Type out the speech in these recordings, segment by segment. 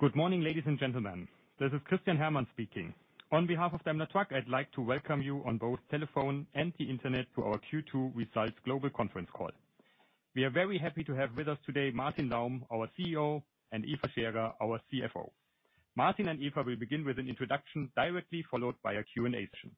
Good morning, ladies and gentlemen. This is Christian Herrmann speaking. On behalf of Daimler Truck, I'd like to welcome you on both telephone and the Internet to our Q2 results global conference call. We are very happy to have with us today, Martin Daum, our CEO, and Eva Scherer, our CFO. Martin and Eva will begin with an introduction directly followed by a Q&A session.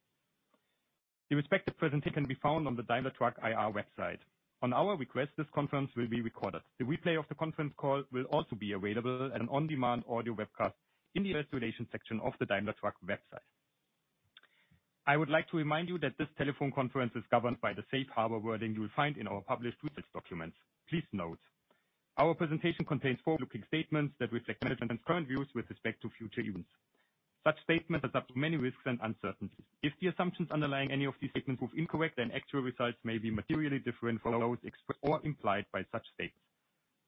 The respective presentation can be found on the Daimler Truck IR website. On our request, this conference will be recorded. The replay of the conference call will also be available at an on-demand audio webcast in the Investor Relations section of the Daimler Truck website. I would like to remind you that this telephone conference is governed by the safe harbor wording you will find in our published documents. Please note, our presentation contains forward-looking statements that reflect management's current views with respect to future events. Such statements are subject to many risks and uncertainties. If the assumptions underlying any of these statements prove incorrect, then actual results may be materially different from those expressed or implied by such statements.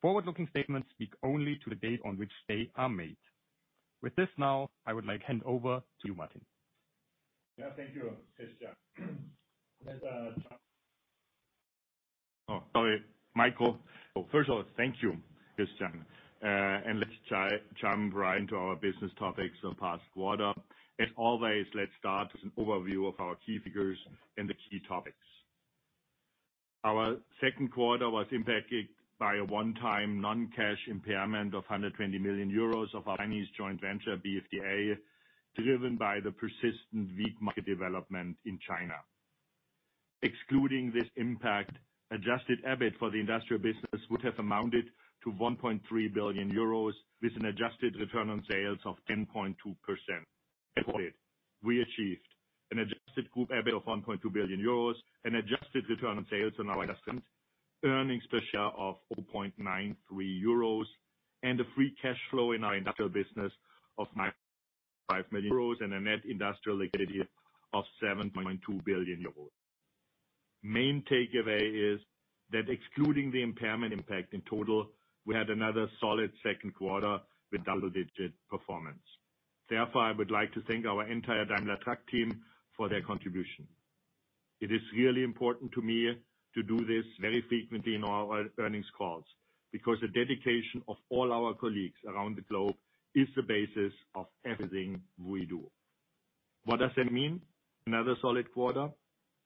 Forward-looking statements speak only to the date on which they are made. With this now, I would like to hand over to you, Martin. Yeah, thank you, Christian. Sorry, Michael. First of all, thank you, Christian. And let's jump right into our business topics of the past quarter. As always, let's start with an overview of our key figures and the key topics. Our second quarter was impacted by a one-time, non-cash impairment of 120 million euros of our Chinese joint venture, BFDA, driven by the persistent weak market development in China. Excluding this impact, adjusted EBIT for the industrial business would have amounted to 1.3 billion euros, with an adjusted return on sales of 10.2%. We achieved an adjusted group EBIT of 1.2 billion euros, an adjusted return on sales of our industrial business, earnings per share of 0.93 euros, and a free cash flow in our industrial business of 9.5 million euros and a net industrial liquidity of 7.2 billion euros. Main takeaway is that excluding the impairment impact, in total, we had another solid second quarter with double-digit performance. Therefore, I would like to thank our entire Daimler Truck team for their contribution. It is really important to me to do this very frequently in our earnings calls, because the dedication of all our colleagues around the globe is the basis of everything we do. What does that mean? Another solid quarter,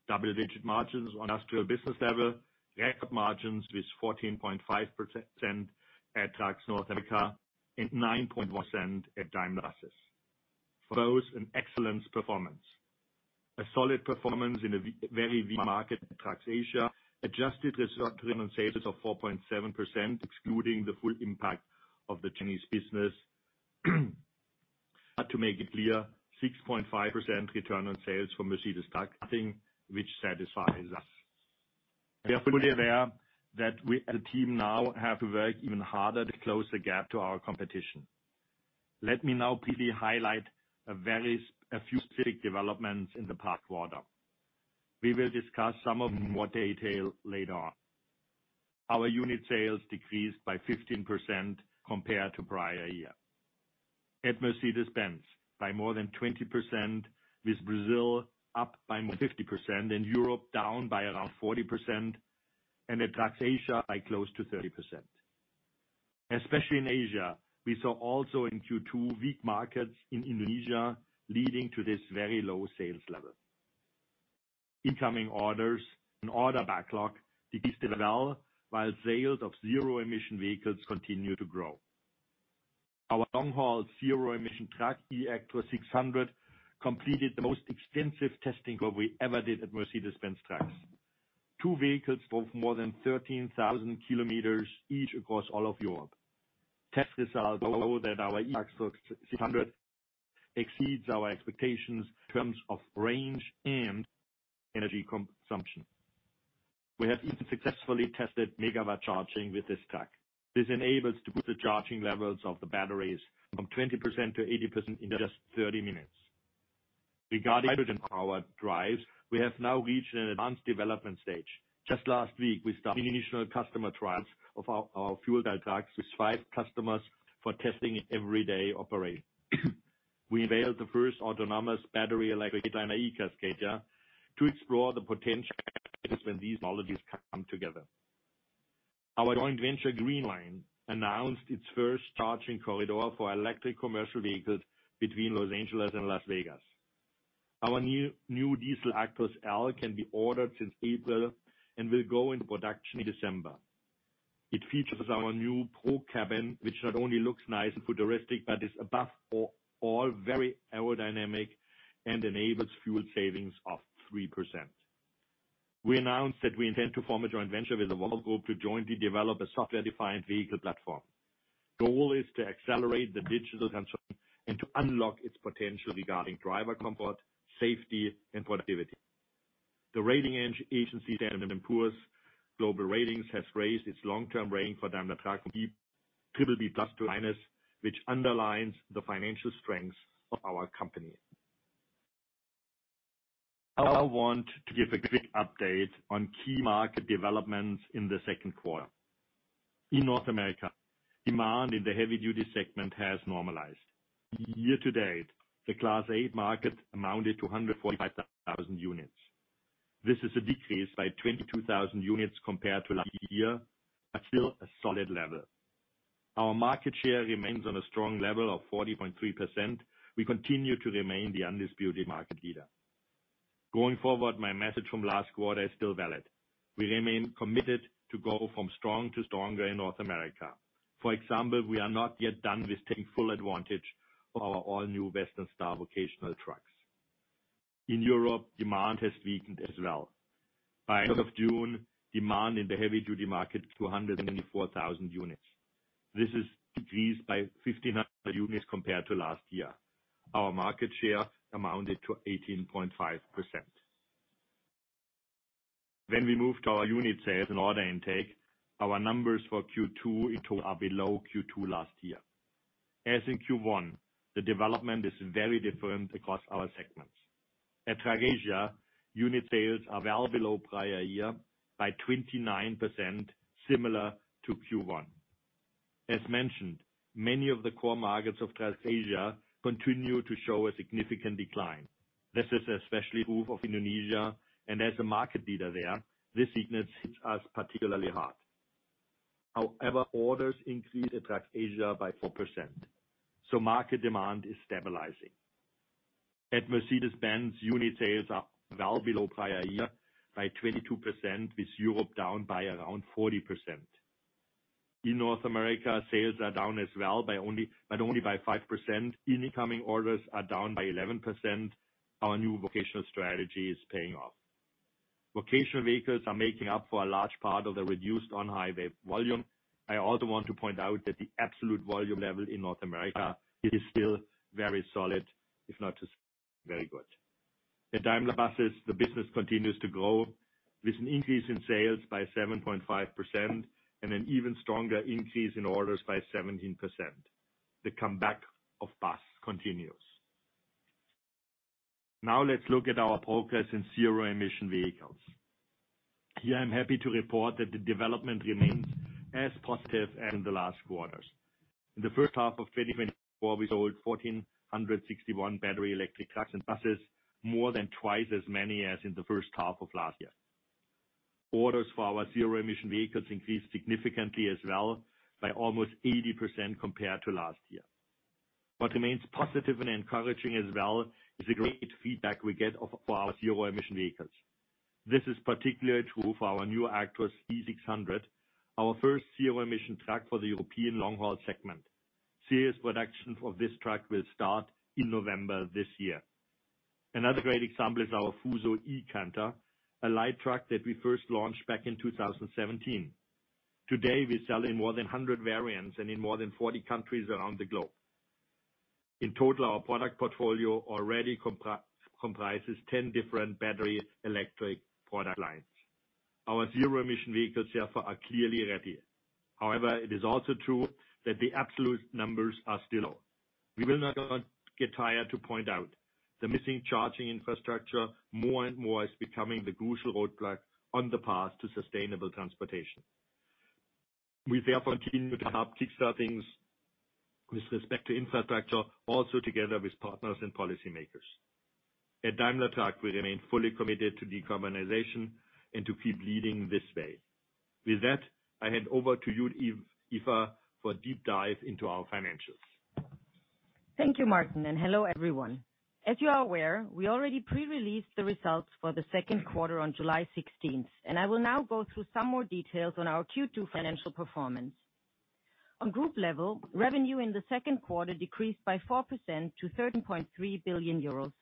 double-digit margins on industrial business level, record margins with 14.5% at Trucks North America, and 9.1% at Daimler Buses. For those, an excellent performance. A solid performance in a very weak market in Trucks Asia, adjusted return on sales of 4.7%, excluding the full impact of the Chinese business. But to make it clear, 6.5% return on sales from Mercedes Truck, nothing which satisfies us. We are fully aware that we, the team now, have to work even harder to close the gap to our competition. Let me now quickly highlight a few specific developments in the past quarter. We will discuss some of them in more detail later on. Our unit sales decreased by 15% compared to prior year. At Mercedes-Benz, by more than 20%, with Brazil up by 50% and Europe down by around 40%, and at Trucks Asia, by close to 30%. Especially in Asia, we saw also in Q2, weak markets in Indonesia leading to this very low sales level. Incoming orders and order backlog decreased as well, while sales of zero-emission vehicles continued to grow. Our long-haul, zero-emission truck, eActros 600, completed the most extensive testing that we ever did at Mercedes-Benz Trucks. Two vehicles drove more than 13,000 km each across all of Europe. Test results show that our eActros 600 exceeds our expectations in terms of range and energy consumption. We have even successfully tested megawatt charging with this truck. This enables to put the charging levels of the batteries from 20% to 80% in just 30 minutes. Regarding hydrogen-powered drives, we have now reached an advanced development stage. Just last week, we started initial customer trials of our fuel cell trucks with five customers for testing in everyday operation. We unveiled the first autonomous battery electric liner, eCascadia, to explore the potential when these technologies come together. Our joint venture, Greenlane, announced its first charging corridor for electric commercial vehicles between Los Angeles and Las Vegas. Our new diesel Actros L can be ordered since April and will go into production in December. It features our new ProCabin, which not only looks nice and futuristic, but is above all very aerodynamic and enables fuel savings of 3%. We announced that we intend to form a joint venture with Amazon to jointly develop a software-defined vehicle platform. The goal is to accelerate the digital transformation and to unlock its potential regarding driver comfort, safety, and productivity. The rating agency, S&P Global Ratings, has raised its long-term rating for Daimler Truck from BBB+ to A-, which underlines the financial strength of our company. I now want to give a quick update on key market developments in the second quarter. In North America, demand in the heavy-duty segment has normalized. Year to date, the Class 8 market amounted to 145,000 units. This is a decrease by 22,000 units compared to last year, but still a solid level. Our market share remains on a strong level of 40.3%. We continue to remain the undisputed market leader. Going forward, my message from last quarter is still valid. We remain committed to go from strong to stronger in North America. For example, we are not yet done with taking full advantage of our all-new Western Star vocational trucks. In Europe, demand has weakened as well. By end of June, demand in the heavy-duty market, 294,000 units. This is decreased by 1,500 units compared to last year. Our market share amounted to 18.5%. When we move to our unit sales and order intake, our numbers for Q2 in total are below Q2 last year. As in Q1, the development is very different across our segments. At Trucks Asia, unit sales are well below prior year by 29%, similar to Q1. As mentioned, many of the core markets of Trucks Asia continue to show a significant decline. This is especially true of Indonesia, and as a market leader there, this weakness hits us particularly hard. However, orders increased at Trucks Asia by 4%, so market demand is stabilizing. At Mercedes-Benz, unit sales are well below prior year by 22%, with Europe down by around 40%. In North America, sales are down as well, but only by 5%. Incoming orders are down by 11%. Our new vocational strategy is paying off. Vocational vehicles are making up for a large part of the reduced on-highway volume. I also want to point out that the absolute volume level in North America is still very solid, if not just very good. At Daimler Buses, the business continues to grow, with an increase in sales by 7.5% and an even stronger increase in orders by 17%. The comeback of bus continues. Now let's look at our progress in zero-emission vehicles. Here, I'm happy to report that the development remains as positive as in the last quarters. In the first half of 2024, we sold 1,461 battery electric trucks and buses, more than twice as many as in the first half of last year. Orders for our zero-emission vehicles increased significantly as well by almost 80% compared to last year. What remains positive and encouraging as well is the great feedback we get for our zero-emission vehicles. This is particularly true for our new eActros 600, our first zero-emission truck for the European long-haul segment. Series production for this truck will start in November this year. Another great example is our FUSO eCanter, a light truck that we first launched back in 2017. Today, we sell in more than 100 variants and in more than 40 countries around the globe. In total, our product portfolio already comprises 10 different battery electric product lines. Our zero-emission vehicles, therefore, are clearly ready. However, it is also true that the absolute numbers are still low. We will not get tired to point out the missing charging infrastructure more and more is becoming the crucial roadblock on the path to sustainable transportation. We therefore continue to have kickstart things with respect to infrastructure, also together with partners and policymakers. At Daimler Truck, we remain fully committed to decarbonization and to keep leading this way. With that, I hand over to you, Eva, for a deep dive into our financials. Thank you, Martin, and hello, everyone. As you are aware, we already pre-released the results for the second quarter on July 16, and I will now go through some more details on our Q2 financial performance. On group level, revenue in the second quarter decreased by 4% to 13.3 billion euros.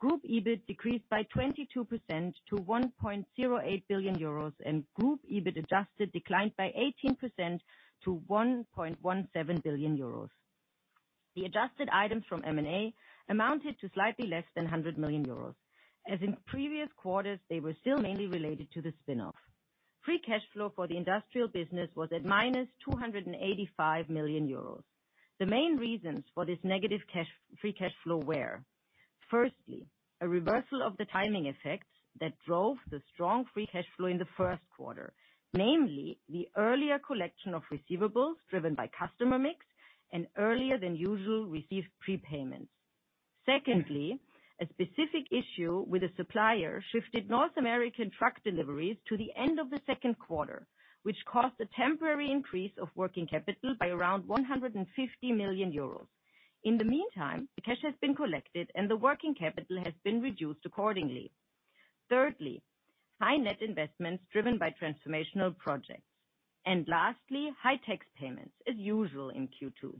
Group EBIT decreased by 22% to 1.08 billion euros, and group EBIT adjusted declined by 18% to 1.17 billion euros. The adjusted items from M&A amounted to slightly less than 100 million euros. As in previous quarters, they were still mainly related to the spin-off. Free cash flow for the industrial business was at -285 million euros. The main reasons for this negative cash, free cash flow were: firstly, a reversal of the timing effects that drove the strong free cash flow in the first quarter. Namely, the earlier collection of receivables driven by customer mix and earlier than usual received prepayments. Secondly, a specific issue with a supplier shifted North American truck deliveries to the end of the second quarter, which caused a temporary increase of working capital by around 150 million euros. In the meantime, the cash has been collected, and the working capital has been reduced accordingly. Thirdly, high net investments driven by transformational projects. And lastly, high tax payments, as usual in Q2.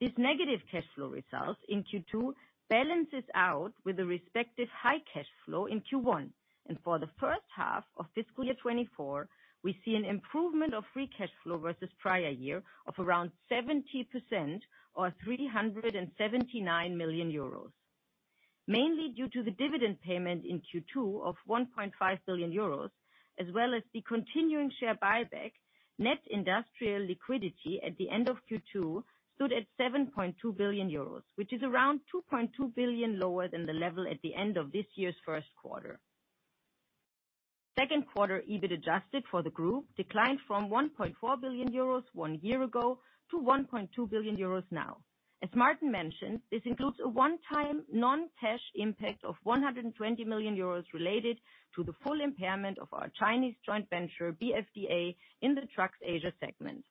This negative cash flow result in Q2 balances out with the respective high cash flow in Q1, and for the first half of fiscal year 2024, we see an improvement of free cash flow versus prior year of around 70% or 379 million euros. Mainly due to the dividend payment in Q2 of 1.5 billion euros, as well as the continuing share buyback, net industrial liquidity at the end of Q2 stood at 7.2 billion euros, which is around 2.2 billion lower than the level at the end of this year's first quarter. Second quarter EBIT adjusted for the group declined from 1.4 billion euros one year ago, to 1.2 billion euros now. As Martin mentioned, this includes a one-time non-cash impact of 120 million euros related to the full impairment of our Chinese joint venture, BFDA, in the Trucks Asia segment.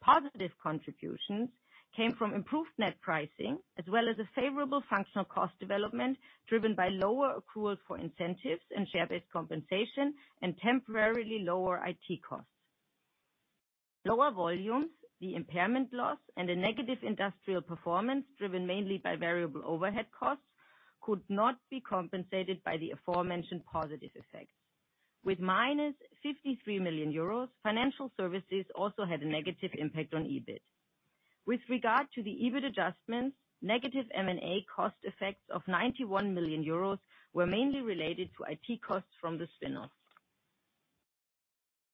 Positive contributions came from improved net pricing, as well as a favorable functional cost development, driven by lower accruals for incentives and share-based compensation, and temporarily lower IT costs. Lower volumes, the impairment loss, and a negative industrial performance, driven mainly by variable overhead costs, could not be compensated by the aforementioned positive effects. With -53 million euros, financial services also had a negative impact on EBIT. With regard to the EBIT adjustments, negative M&A cost effects of 91 million euros were mainly related to IT costs from the spin-off.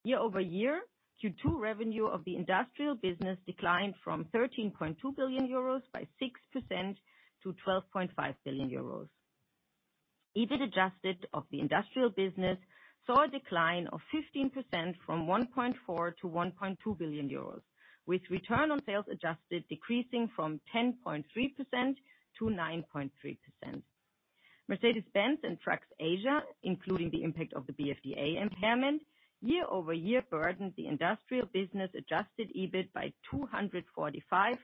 Year-over-year, Q2 revenue of the industrial business declined from 13.2 billion euros by 6% to 12.5 billion euros. EBIT adjusted of the industrial business saw a decline of 15% from 1.4 billion to 1.2 billion euros, with return on sales adjusted decreasing from 10.3% to 9.3%. Mercedes-Benz and Trucks Asia, including the impact of the BFDA impairment, year-over-year burdened the industrial business adjusted EBIT by 245 million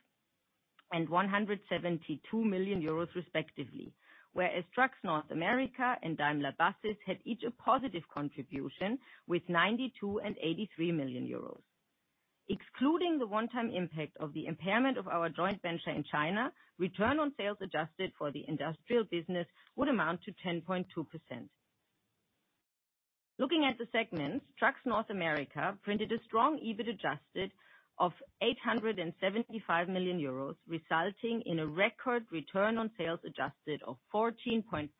and 172 million euros respectively. Whereas Trucks North America and Daimler Buses had each a positive contribution with 92 million and 83 million euros. Excluding the one-time impact of the impairment of our joint venture in China, return on sales adjusted for the industrial business would amount to 10.2%. Looking at the segments, Trucks North America printed a strong EBIT adjusted of 875 million euros, resulting in a record return on sales adjusted of 14.5%.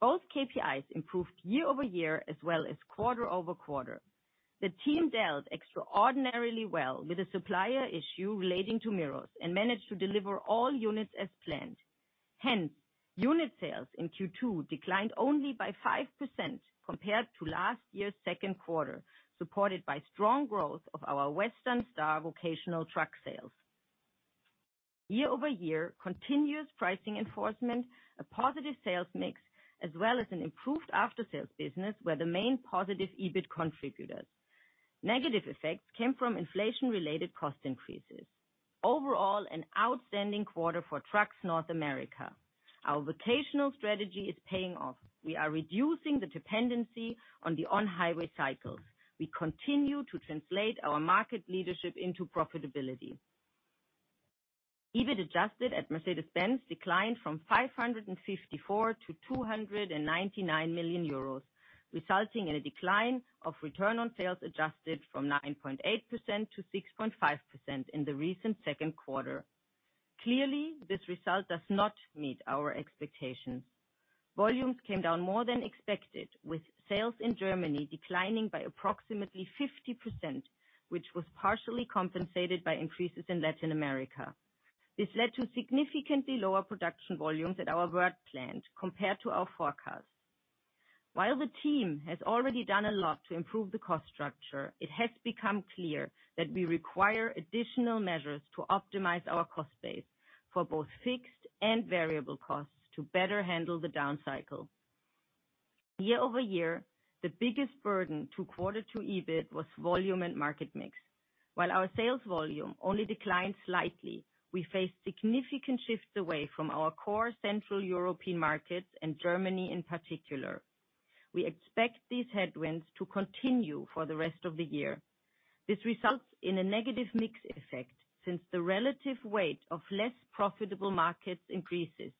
Both KPIs improved year-over-year as well as quarter-over-quarter. The team dealt extraordinarily well with a supplier issue relating to mirrors, and managed to deliver all units as planned. Hence, unit sales in Q2 declined only by 5% compared to last year's second quarter, supported by strong growth of our Western Star vocational truck sales. Year-over-year, continuous pricing enforcement, a positive sales mix, as well as an improved after-sales business, were the main positive EBIT contributors. Negative effects came from inflation-related cost increases. Overall, an outstanding quarter for Trucks North America. Our vocational strategy is paying off. We are reducing the dependency on the on-highway cycles. We continue to translate our market leadership into profitability. EBIT adjusted at Mercedes-Benz declined from 554 million to 299 million euros, resulting in a decline of return on sales adjusted from 9.8% to 6.5% in the recent second quarter. Clearly, this result does not meet our expectations. Volumes came down more than expected, with sales in Germany declining by approximately 50%, which was partially compensated by increases in Latin America. This led to significantly lower production volumes at our Wörth plant compared to our forecast. While the team has already done a lot to improve the cost structure, it has become clear that we require additional measures to optimize our cost base for both fixed and variable costs to better handle the down cycle. Year-over-year, the biggest burden to quarter two EBIT was volume and market mix. While our sales volume only declined slightly, we faced significant shifts away from our core Central European markets and Germany in particular. We expect these headwinds to continue for the rest of the year. This results in a negative mix effect, since the relative weight of less profitable markets increases.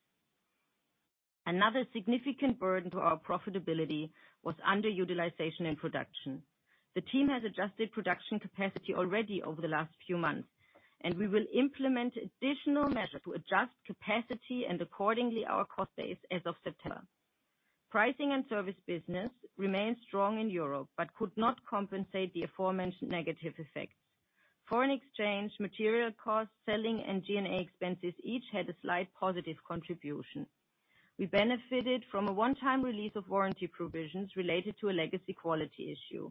Another significant burden to our profitability was underutilization in production. The team has adjusted production capacity already over the last few months, and we will implement additional measures to adjust capacity and accordingly, our cost base as of September. Pricing and service business remains strong in Europe, but could not compensate the aforementioned negative effects. Foreign exchange, material costs, selling, and G&A expenses each had a slight positive contribution. We benefited from a one-time release of warranty provisions related to a legacy quality issue.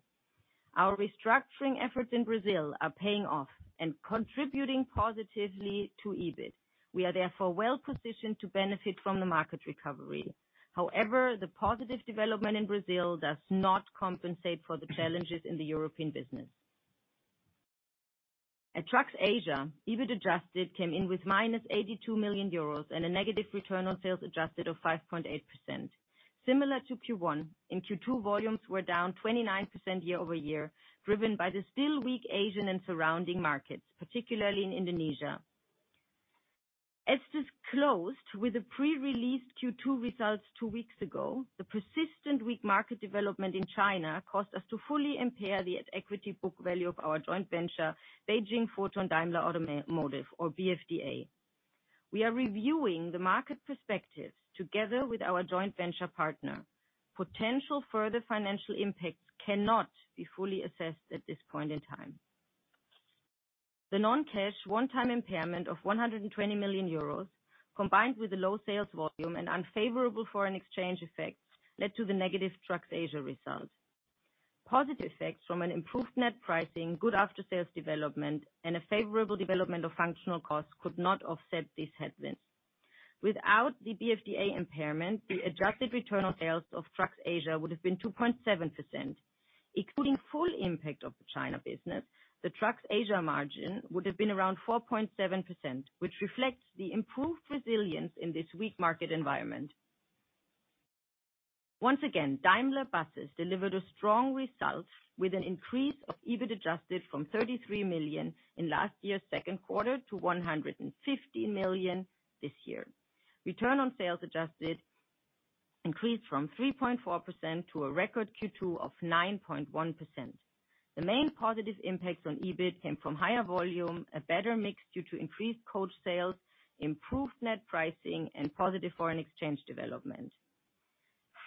Our restructuring efforts in Brazil are paying off and contributing positively to EBIT. We are therefore well positioned to benefit from the market recovery. However, the positive development in Brazil does not compensate for the challenges in the European business. At Trucks Asia, EBIT adjusted came in with -82 million euros and a negative return on sales adjusted of 5.8%. Similar to Q1, in Q2, volumes were down 29% year-over-year, driven by the still weak Asian and surrounding markets, particularly in Indonesia. As disclosed with the pre-released Q2 results two weeks ago, the persistent weak market development in China caused us to fully impair the at equity book value of our joint venture, Beijing Foton Daimler Automotive, or BFDA. We are reviewing the market perspectives together with our joint venture partner. Potential further financial impacts cannot be fully assessed at this point in time. The non-cash one-time impairment of 120 million euros, combined with the low sales volume and unfavorable foreign exchange effects, led to the negative Trucks Asia results. Positive effects from an improved net pricing, good after-sales development, and a favorable development of functional costs could not offset this headwind. Without the BFDA impairment, the adjusted return on sales of Trucks Asia would have been 2.7%. Including full impact of the China business, the Trucks Asia margin would have been around 4.7%, which reflects the improved resilience in this weak market environment. Once again, Daimler Buses delivered a strong result with an increase of EBIT adjusted from 33 million in last year's second quarter to 150 million this year. Return on sales adjusted increased from 3.4% to a record Q2 of 9.1%. The main positive impacts on EBIT came from higher volume, a better mix due to increased coach sales, improved net pricing, and positive foreign exchange development.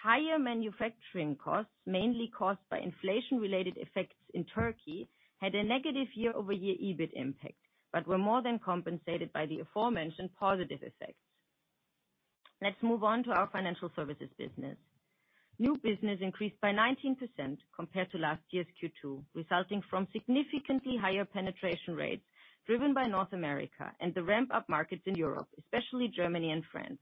Higher manufacturing costs, mainly caused by inflation-related effects in Turkey, had a negative year-over-year EBIT impact, but were more than compensated by the aforementioned positive effects. Let's move on to our financial services business. New business increased by 19% compared to last year's Q2, resulting from significantly higher penetration rates, driven by North America and the ramp-up markets in Europe, especially Germany and France.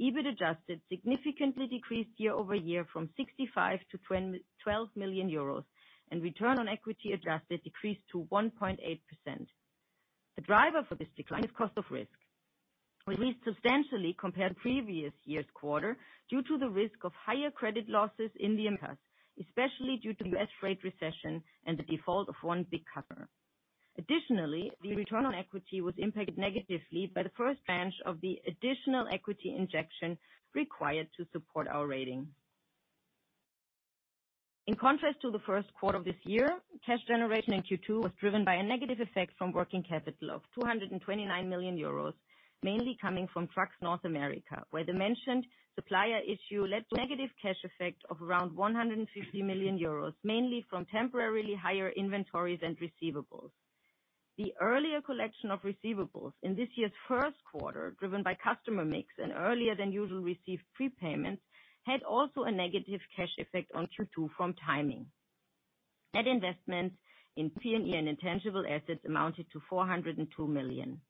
EBIT adjusted significantly decreased year-over-year from 65 million to 12 million euros, and return on equity adjusted decreased to 1.8%. The driver for this decline is cost of risk, which increased substantially compared to previous year's quarter due to the risk of higher credit losses in the Americas, especially due to the U.S. real estate recession and the default of one big customer. Additionally, the return on equity was impacted negatively by the first tranche of the additional equity injection required to support our rating. In contrast to the first quarter of this year, cash generation in Q2 was driven by a negative effect from working capital of 229 million euros, mainly coming from Trucks North America, where the mentioned supplier issue led to a negative cash effect of around 150 million euros, mainly from temporarily higher inventories and receivables. The earlier collection of receivables in this year's first quarter, driven by customer mix and earlier than usual received prepayments, had also a negative cash effect on Q2 from timing. Net investment in P&E and intangible assets amounted to 402 million.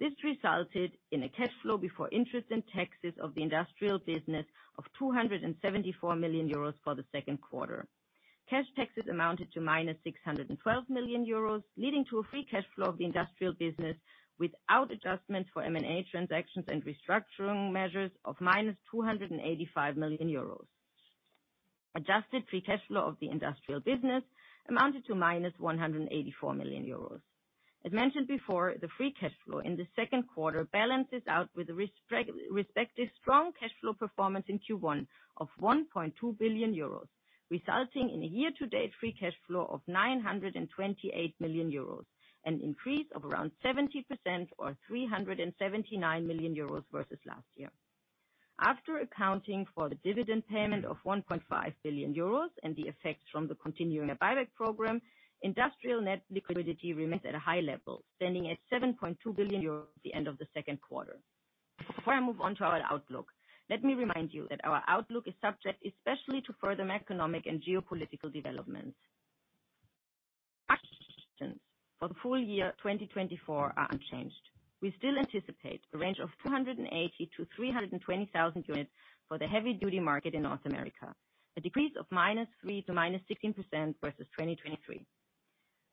This resulted in a cash flow before interest and taxes of the industrial business of 274 million euros for the second quarter. Cash taxes amounted to -612 million euros, leading to a free cash flow of the industrial business without adjustment for M&A transactions and restructuring measures of -285 million euros. Adjusted free cash flow of the industrial business amounted to -184 million euros. As mentioned before, the free cash flow in the second quarter balances out with respect to strong cash flow performance in Q1 of 1.2 billion euros, resulting in a year-to-date free cash flow of 928 million euros, an increase of around 70% or 379 million euros versus last year. After accounting for the dividend payment of 1.5 billion euros and the effects from the continuing buyback program, industrial net liquidity remains at a high level, standing at 7.2 billion euros at the end of the second quarter. Before I move on to our outlook, let me remind you that our outlook is subject, especially to further economic and geopolitical developments. Our expectations for the full year 2024 are unchanged. We still anticipate a range of 280-320,000 units for the heavy-duty market in North America, a decrease of -3% to -16% versus 2023.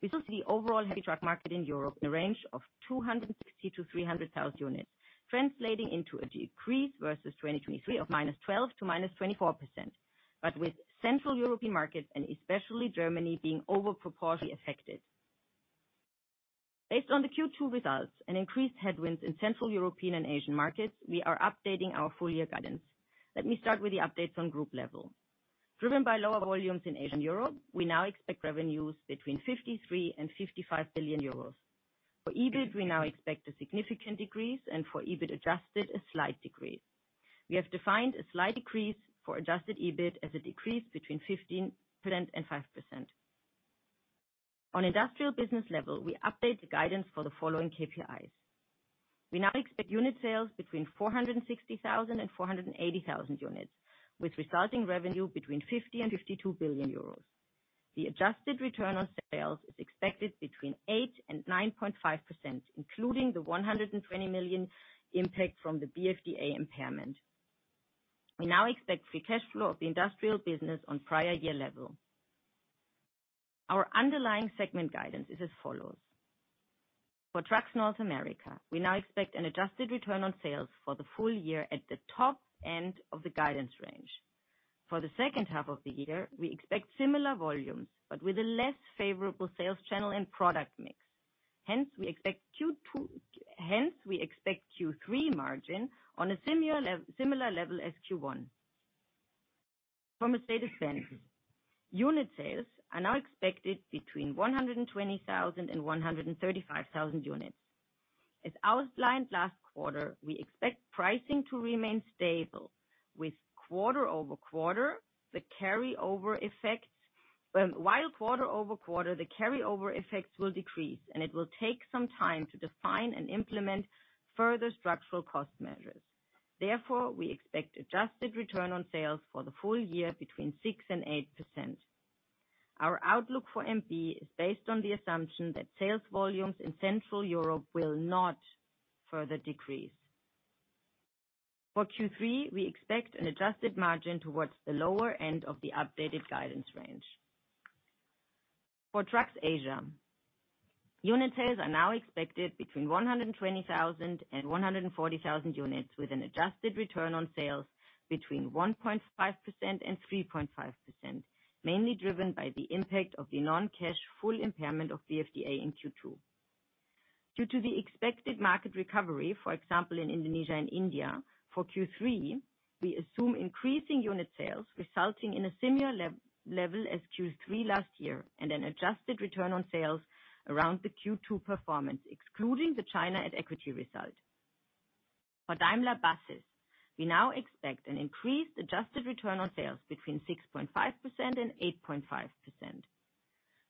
We see the overall heavy truck market in Europe in a range of 260-300,000 units, translating into a decrease versus 2023 of -12% to -24%, but with Central European markets and especially Germany, being overproportionately affected. Based on the Q2 results and increased headwinds in Central European and Asian markets, we are updating our full year guidance. Let me start with the updates on group level. Driven by lower volumes in Asia and Europe, we now expect revenues between 53 billion-55 billion euros. For EBIT, we now expect a significant decrease, and for EBIT adjusted, a slight decrease. We have defined a slight decrease for adjusted EBIT as a decrease between 15% and 5%. On industrial business level, we update the guidance for the following KPIs. We now expect unit sales between 460,000 and 480,000 units, with resulting revenue between 50 billion and 52 billion euros. The adjusted return on sales is expected between 8% and 9.5%, including the 120 million impact from the BFDA impairment. We now expect free cash flow of the industrial business on prior year level. Our underlying segment guidance is as follows: For Trucks North America, we now expect an adjusted return on sales for the full year at the top end of the guidance range. For the second half of the year, we expect similar volumes, but with a less favorable sales channel and product mix. Hence, we expect Q3 margin on a similar level as Q1. From a status then, unit sales are now expected between 120,000 and 135,000 units. As outlined last quarter, we expect pricing to remain stable with quarter-over-quarter, the carryover effect, while quarter-over-quarter, the carryover effects will decrease, and it will take some time to define and implement further structural cost measures. Therefore, we expect adjusted return on sales for the full year between 6% and 8%. Our outlook for MB is based on the assumption that sales volumes in Central Europe will not further decrease. For Q3, we expect an adjusted margin towards the lower end of the updated guidance range. For Trucks Asia, unit sales are now expected between 120,000 and 140,000 units, with an adjusted return on sales between 1.5% and 3.5%, mainly driven by the impact of the non-cash full impairment of the BFDA in Q2. Due to the expected market recovery, for example, in Indonesia and India, for Q3, we assume increasing unit sales resulting in a similar level as Q3 last year, and an adjusted return on sales around the Q2 performance, excluding the China at equity result. For Daimler Buses, we now expect an increased adjusted return on sales between 6.5% and 8.5%.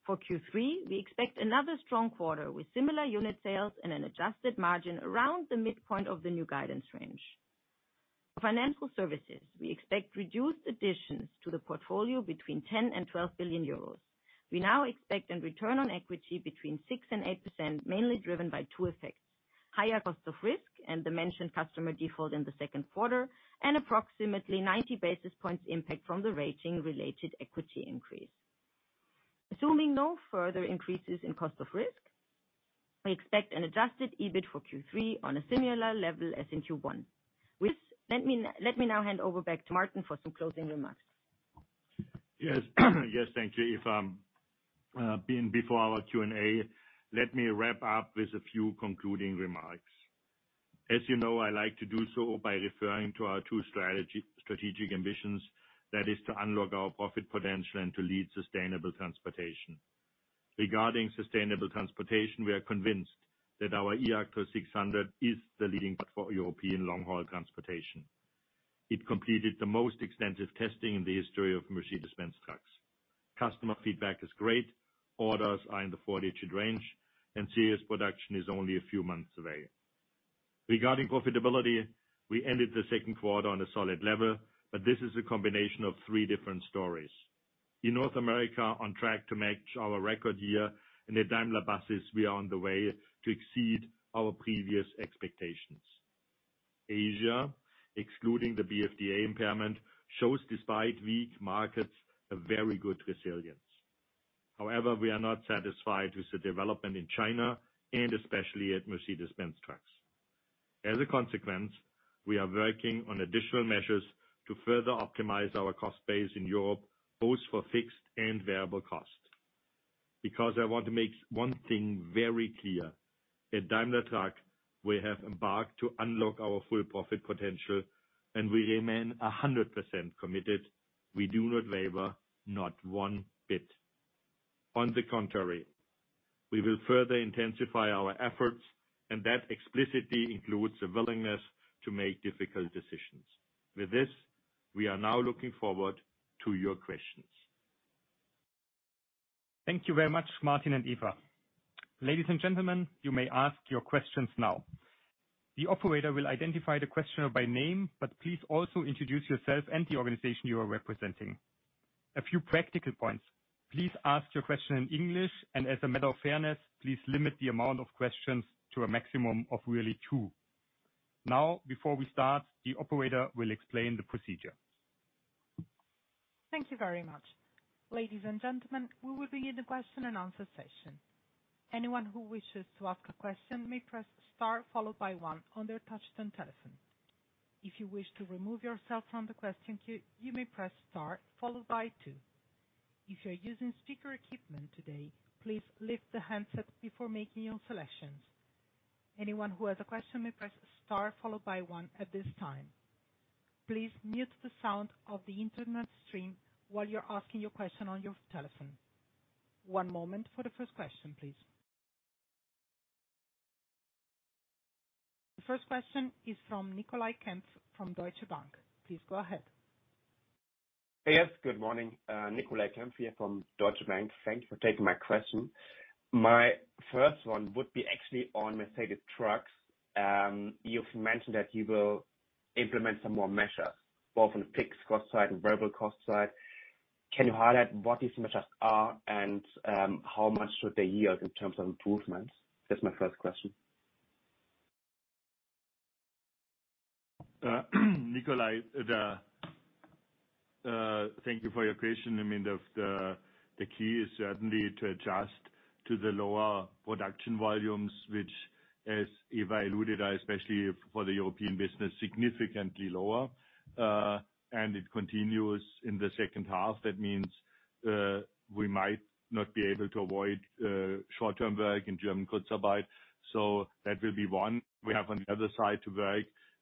For Q3, we expect another strong quarter with similar unit sales and an adjusted margin around the midpoint of the new guidance range. For financial services, we expect reduced additions to the portfolio between 10 billion and 12 billion euros. We now expect a return on equity between 6% and 8%, mainly driven by two effects: higher cost of risk and the mentioned customer default in the second quarter, and approximately 90 basis points impact from the rating-related equity increase. Assuming no further increases in cost of risk, we expect an adjusted EBIT for Q3 on a similar level as in Q1. With... Let me, let me now hand over back to Martin for some closing remarks. Yes, yes, thank you, Eva. Before our Q&A, let me wrap up with a few concluding remarks. As you know, I like to do so by referring to our two strategic ambitions, that is, to unlock our profit potential and to lead sustainable transportation. Regarding sustainable transportation, we are convinced that our eActros 600 is the leading part for European long-haul transportation. It completed the most extensive testing in the history of Mercedes-Benz Trucks. Customer feedback is great, orders are in the four-digit range, and serious production is only a few months away. Regarding profitability, we ended the second quarter on a solid level, but this is a combination of three different stories. In North America, on track to match our record year, and at Daimler Buses, we are on the way to exceed our previous expectations. Asia, excluding the BFDA impairment, shows, despite weak markets, a very good resilience. However, we are not satisfied with the development in China and especially at Mercedes-Benz Trucks. As a consequence, we are working on additional measures to further optimize our cost base in Europe, both for fixed and variable costs. Because I want to make one thing very clear, at Daimler Truck, we have embarked to unlock our full profit potential, and we remain 100% committed. We do not labor, not one bit. On the contrary, we will further intensify our efforts, and that explicitly includes a willingness to make difficult decisions. With this, we are now looking forward to your questions. Thank you very much, Martin and Eva. Ladies and gentlemen, you may ask your questions now. The operator will identify the questioner by name, but please also introduce yourself and the organization you are representing. A few practical points: Please ask your question in English, and as a matter of fairness, please limit the amount of questions to a maximum of really two. Now, before we start, the operator will explain the procedure. Thank you very much. Ladies and gentlemen, we will begin the question-and-answer session. Anyone who wishes to ask a question may press star followed by one on their touchtone telephone. If you wish to remove yourself from the question queue, you may press star followed by two. If you are using speaker equipment today, please lift the handset before making your selections. Anyone who has a question may press star followed by one at this time. Please mute the sound of the internet stream while you're asking your question on your telephone. One moment for the first question, please. The first question is from Nicolai Kempf, from Deutsche Bank. Please go ahead. Yes, good morning. Nicolai Kempf here from Deutsche Bank. Thank you for taking my question. My first one would be actually on Mercedes Trucks. You've mentioned that you will implement some more measures, both on the fixed cost side and variable cost side. Can you highlight what these measures are, and how much should they yield in terms of improvements? That's my first question. Nikolai, thank you for your question. I mean, the key is certainly to adjust to the lower production volumes, which, as Eva alluded, are especially for the European business, significantly lower, and it continues in the second half. That means we might not be able to avoid short-term work in German Kurzarbeit. So that will be one. We have on the other side to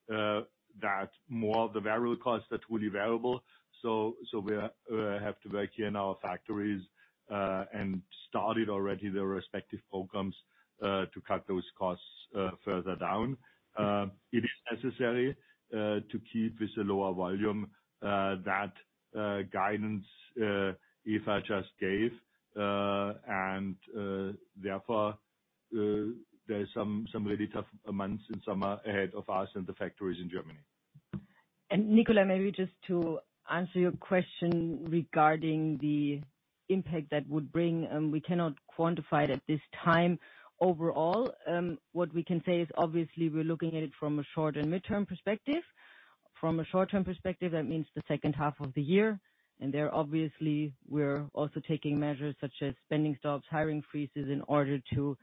work that more of the variable costs that will be variable. So we have to work in our factories and started already the respective programs to cut those costs further down. It is necessary to keep with the lower volume that guidance if I just gave, and therefore there is some really tough months in summer ahead of us and the factories in Germany. Nicolai, maybe just to answer your question regarding the impact that would bring, we cannot quantify it at this time. Overall, what we can say is, obviously, we're looking at it from a short and midterm perspective. From a short-term perspective, that means the second half of the year, and there, obviously, we're also taking measures such as spending stops, hiring freezes, in order to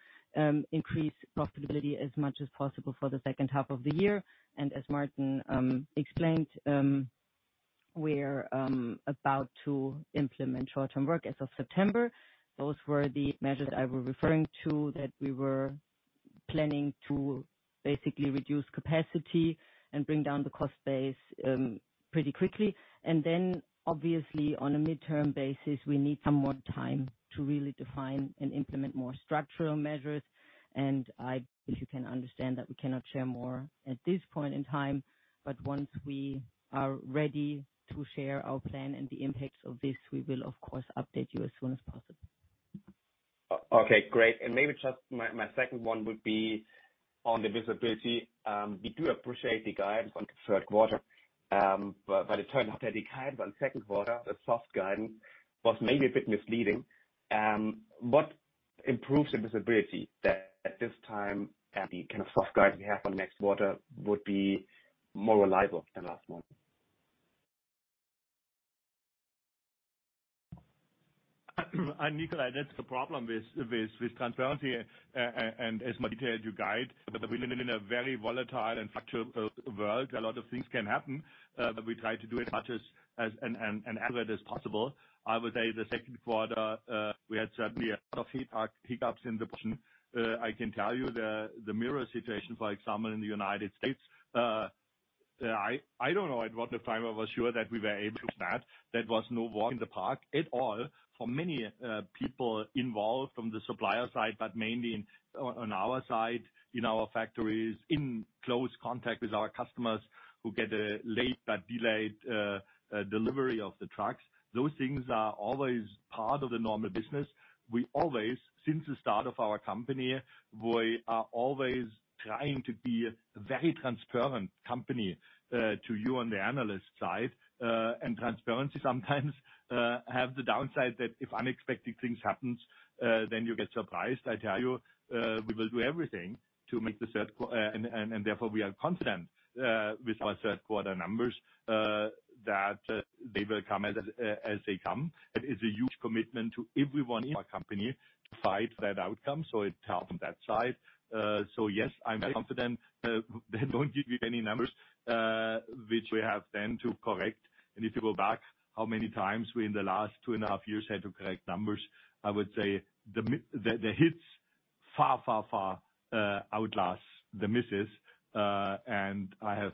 increase profitability as much as possible for the second half of the year. And as Martin explained, we're about to implement short-term work as of September. Those were the measures I was referring to, that we were planning to basically reduce capacity and bring down the cost base pretty quickly. And then, obviously, on a midterm basis, we need some more time to really define and implement more structural measures. If you can understand that we cannot share more at this point in time. But once we are ready to share our plan and the impacts of this, we will, of course, update you as soon as possible. Okay, great. And maybe just my second one would be on the visibility. We do appreciate the guidance on the third quarter, but it turned out that the guide on second quarter, the soft guidance, was maybe a bit misleading. What improves the visibility that at this time, and the kind of soft guide we have on next quarter would be more reliable than last one? Nicolai, that's the problem with transparency, and as much detail as you guide, but we live in a very volatile and factual world, a lot of things can happen. But we try to do as much as and accurate as possible. I would say the second quarter, we had certainly a lot of hiccups in production. I can tell you the mirror situation, for example, in the United States, I don't know at what time I was sure that we were able to start. That was no walk in the park at all for many people involved from the supplier side, but mainly on our side, in our factories, in close contact with our customers, who get a late but delayed delivery of the trucks. Those things are always part of the normal business. We always, since the start of our company, we are always trying to be a very transparent company to you on the analyst side. And transparency sometimes have the downside that if unexpected things happens, then you get surprised. I tell you, we will do everything to make the third quarter, and therefore, we are confident with our third quarter numbers, that they will come as they come. It is a huge commitment to everyone in our company to fight that outcome, so it's hard on that side. So, yes, I'm very confident. They don't give you any numbers which we have then to correct. And if you go back, how many times we, in the last 2.5 years, had to correct numbers, I would say the hits far, far, far outlast the misses. And I have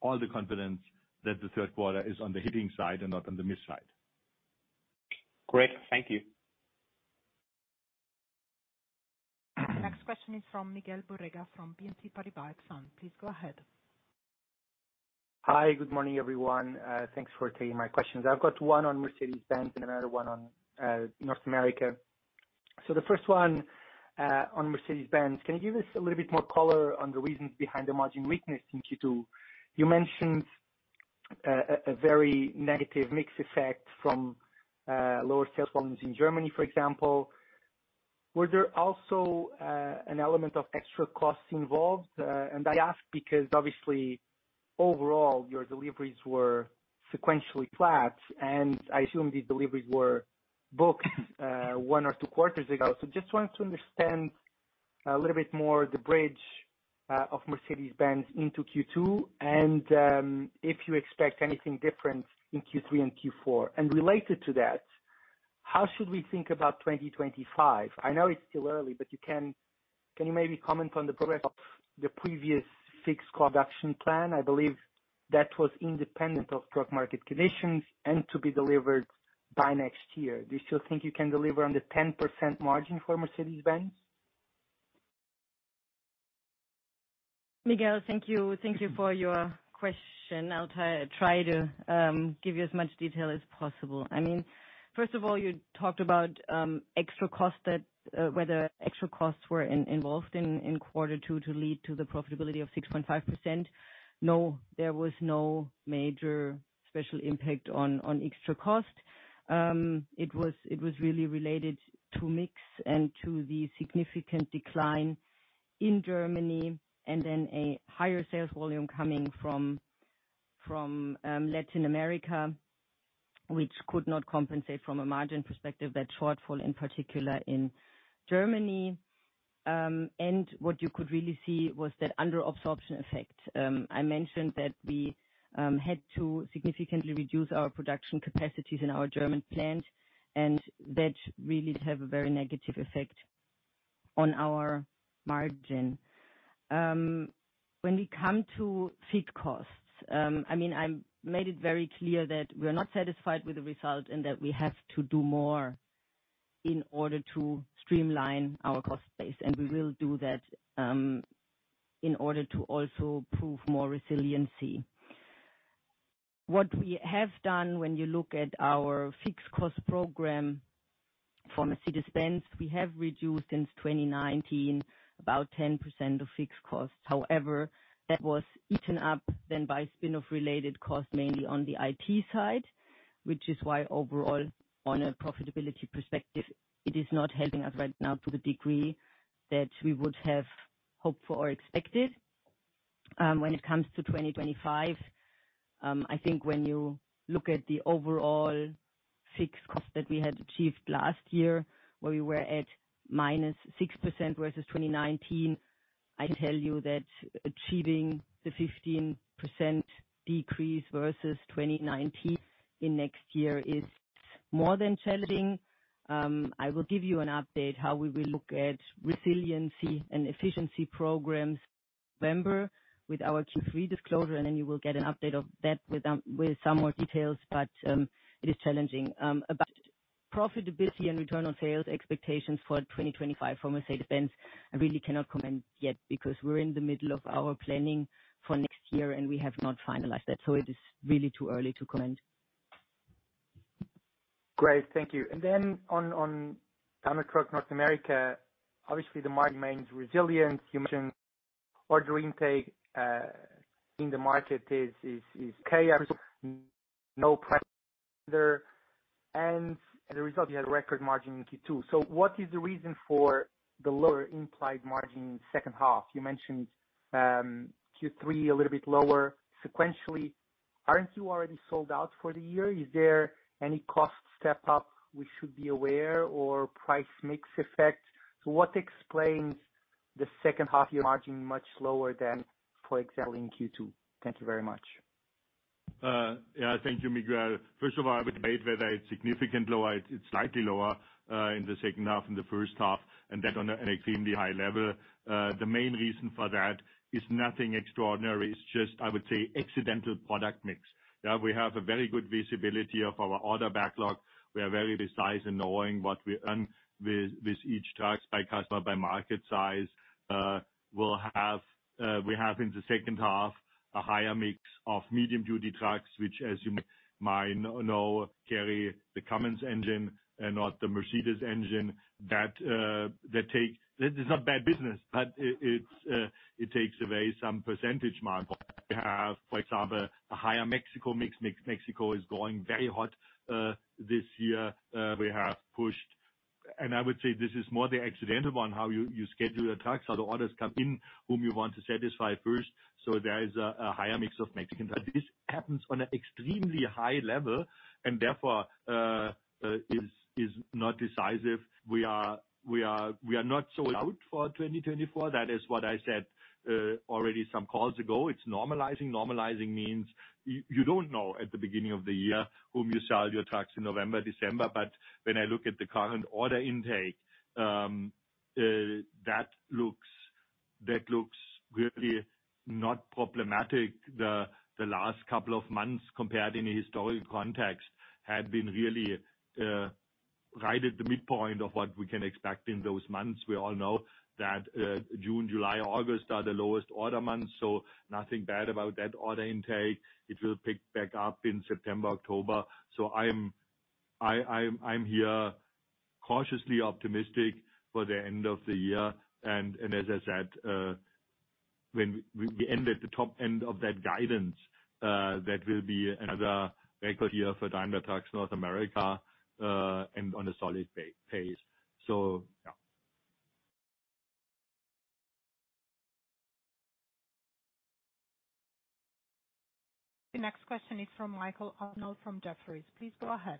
all the confidence that the third quarter is on the hitting side and not on the miss side. Great. Thank you. Next question is from Miguel Borrega, from BNP Paribas. Please go ahead. Hi, good morning, everyone. Thanks for taking my questions. I've got one on Mercedes-Benz and another one on North America. So the first one on Mercedes-Benz. Can you give us a little bit more color on the reasons behind the margin weakness in Q2? You mentioned a very negative mix effect from lower sales volumes in Germany, for example. Were there also an element of extra costs involved? And I ask because, obviously, overall, your deliveries were sequentially flat, and I assume these deliveries were booked one or two quarters ago. So just wanted to understand a little bit more the bridge of Mercedes-Benz into Q2, and if you expect anything different in Q3 and Q4. And related to that, how should we think about 2025? I know it's still early, but can you maybe comment on the progress of the previous fixed cost action plan? I believe that was independent of current market conditions and to be delivered by next year. Do you still think you can deliver on the 10% margin for Mercedes-Benz? Miguel, thank you. Thank you for your question. I'll try, try to give you as much detail as possible. I mean, first of all, you talked about extra costs, that whether extra costs were involved in quarter two to lead to the profitability of 6.5%. No, there was no major special impact on extra cost. It was really related to mix and to the significant decline in Germany, and then a higher sales volume coming from Latin America, which could not compensate from a margin perspective, that shortfall in particular in Germany. And what you could really see was that under absorption effect. I mentioned that we had to significantly reduce our production capacities in our German plant, and that really had a very negative effect on our margin. When we come to fixed costs, I mean, I made it very clear that we're not satisfied with the result, and that we have to do more in order to streamline our cost base, and we will do that, in order to also prove more resiliency. What we have done, when you look at our fixed cost program for Mercedes-Benz, we have reduced, since 2019, about 10% of fixed costs. However, that was eaten up then by spin-off related costs, mainly on the IT side, which is why, overall, on a profitability perspective, it is not helping us right now to the degree that we would have hoped for or expected. When it comes to 2025, I think when you look at the overall fixed cost that we had achieved last year, where we were at -6% versus 2019, I tell you that achieving the 15% decrease versus 2019 in next year is more than challenging. I will give you an update how we will look at resiliency and efficiency programs, November, with our Q3 disclosure, and then you will get an update of that with some more details, but it is challenging. About profitability and return on sales expectations for 2025 for Mercedes-Benz, I really cannot comment yet, because we're in the middle of our planning for next year, and we have not finalized that, so it is really too early to comment. Great, thank you. And then on Daimler Truck North America, obviously, the market remains resilient. You mentioned order intake in the market is okay. No pressure there, and as a result, you had a record margin in Q2. So what is the reason for the lower implied margin in second half? You mentioned Q3 a little bit lower sequentially. Aren't you already sold out for the year? Is there any cost step up we should be aware or price mix effect? So what explains the second half year margin much lower than, for example, in Q2? Thank you very much. Yeah, thank you, Miguel. First of all, I would debate whether it's significant lower, it's slightly lower, in the second half, in the first half, and that on an extremely high level. The main reason for that is nothing extraordinary. It's just, I would say, accidental product mix. Yeah, we have a very good visibility of our order backlog. We are very precise in knowing what we earn with, with each truck, by customer, by market size. We have in the second half, a higher mix of medium duty trucks, which, as you might know, carry the Cummins engine and not the Mercedes engine. That take... This is not bad business, but it, it's, it takes away some percentage margin. We have, for example, a higher Mexico mix. Mexico is going very hot, this year. We have pushed, and I would say this is more the accidental one, how you schedule the trucks, how the orders come in, whom you want to satisfy first. So there is a higher mix of Mexican trucks. This happens on an extremely high level and therefore is not decisive. We are not sold out for 2024. That is what I said already some calls ago. It's normalizing. Normalizing means you don't know at the beginning of the year whom you sell your trucks in November, December. But when I look at the current order intake, that looks really not problematic. The last couple of months compared in a historical context have been really right at the midpoint of what we can expect in those months. We all know that June, July, August are the lowest order months, so nothing bad about that order intake. It will pick back up in September, October. I'm here cautiously optimistic for the end of the year. As I said, when we end at the top end of that guidance, that will be another record year for Daimler Truck North America, and on a solid pace. Yeah. The next question is from Michael Arnold, from Jefferies. Please go ahead.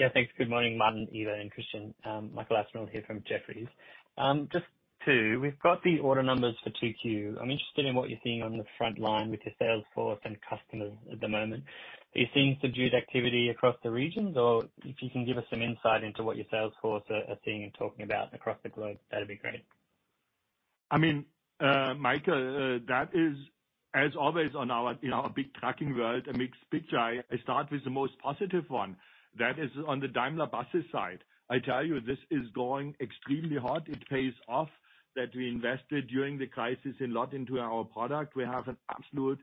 Yeah, thanks. Good morning, Martin, Eva, and Christian. Michael Arnold here from Jefferies. Just two. We've got the order numbers for 2Q. I'm interested in what you're seeing on the front line with your sales force and customers at the moment. Are you seeing subdued activity across the regions, or if you can give us some insight into what your sales force are seeing and talking about across the globe, that'd be great. I mean, Michael, that is, as always, on our, in our big trucking world, a mixed picture. I start with the most positive one. That is on the Daimler Buses side. I tell you, this is going extremely hot. It pays off that we invested, during the crisis, a lot into our product. We have an absolute,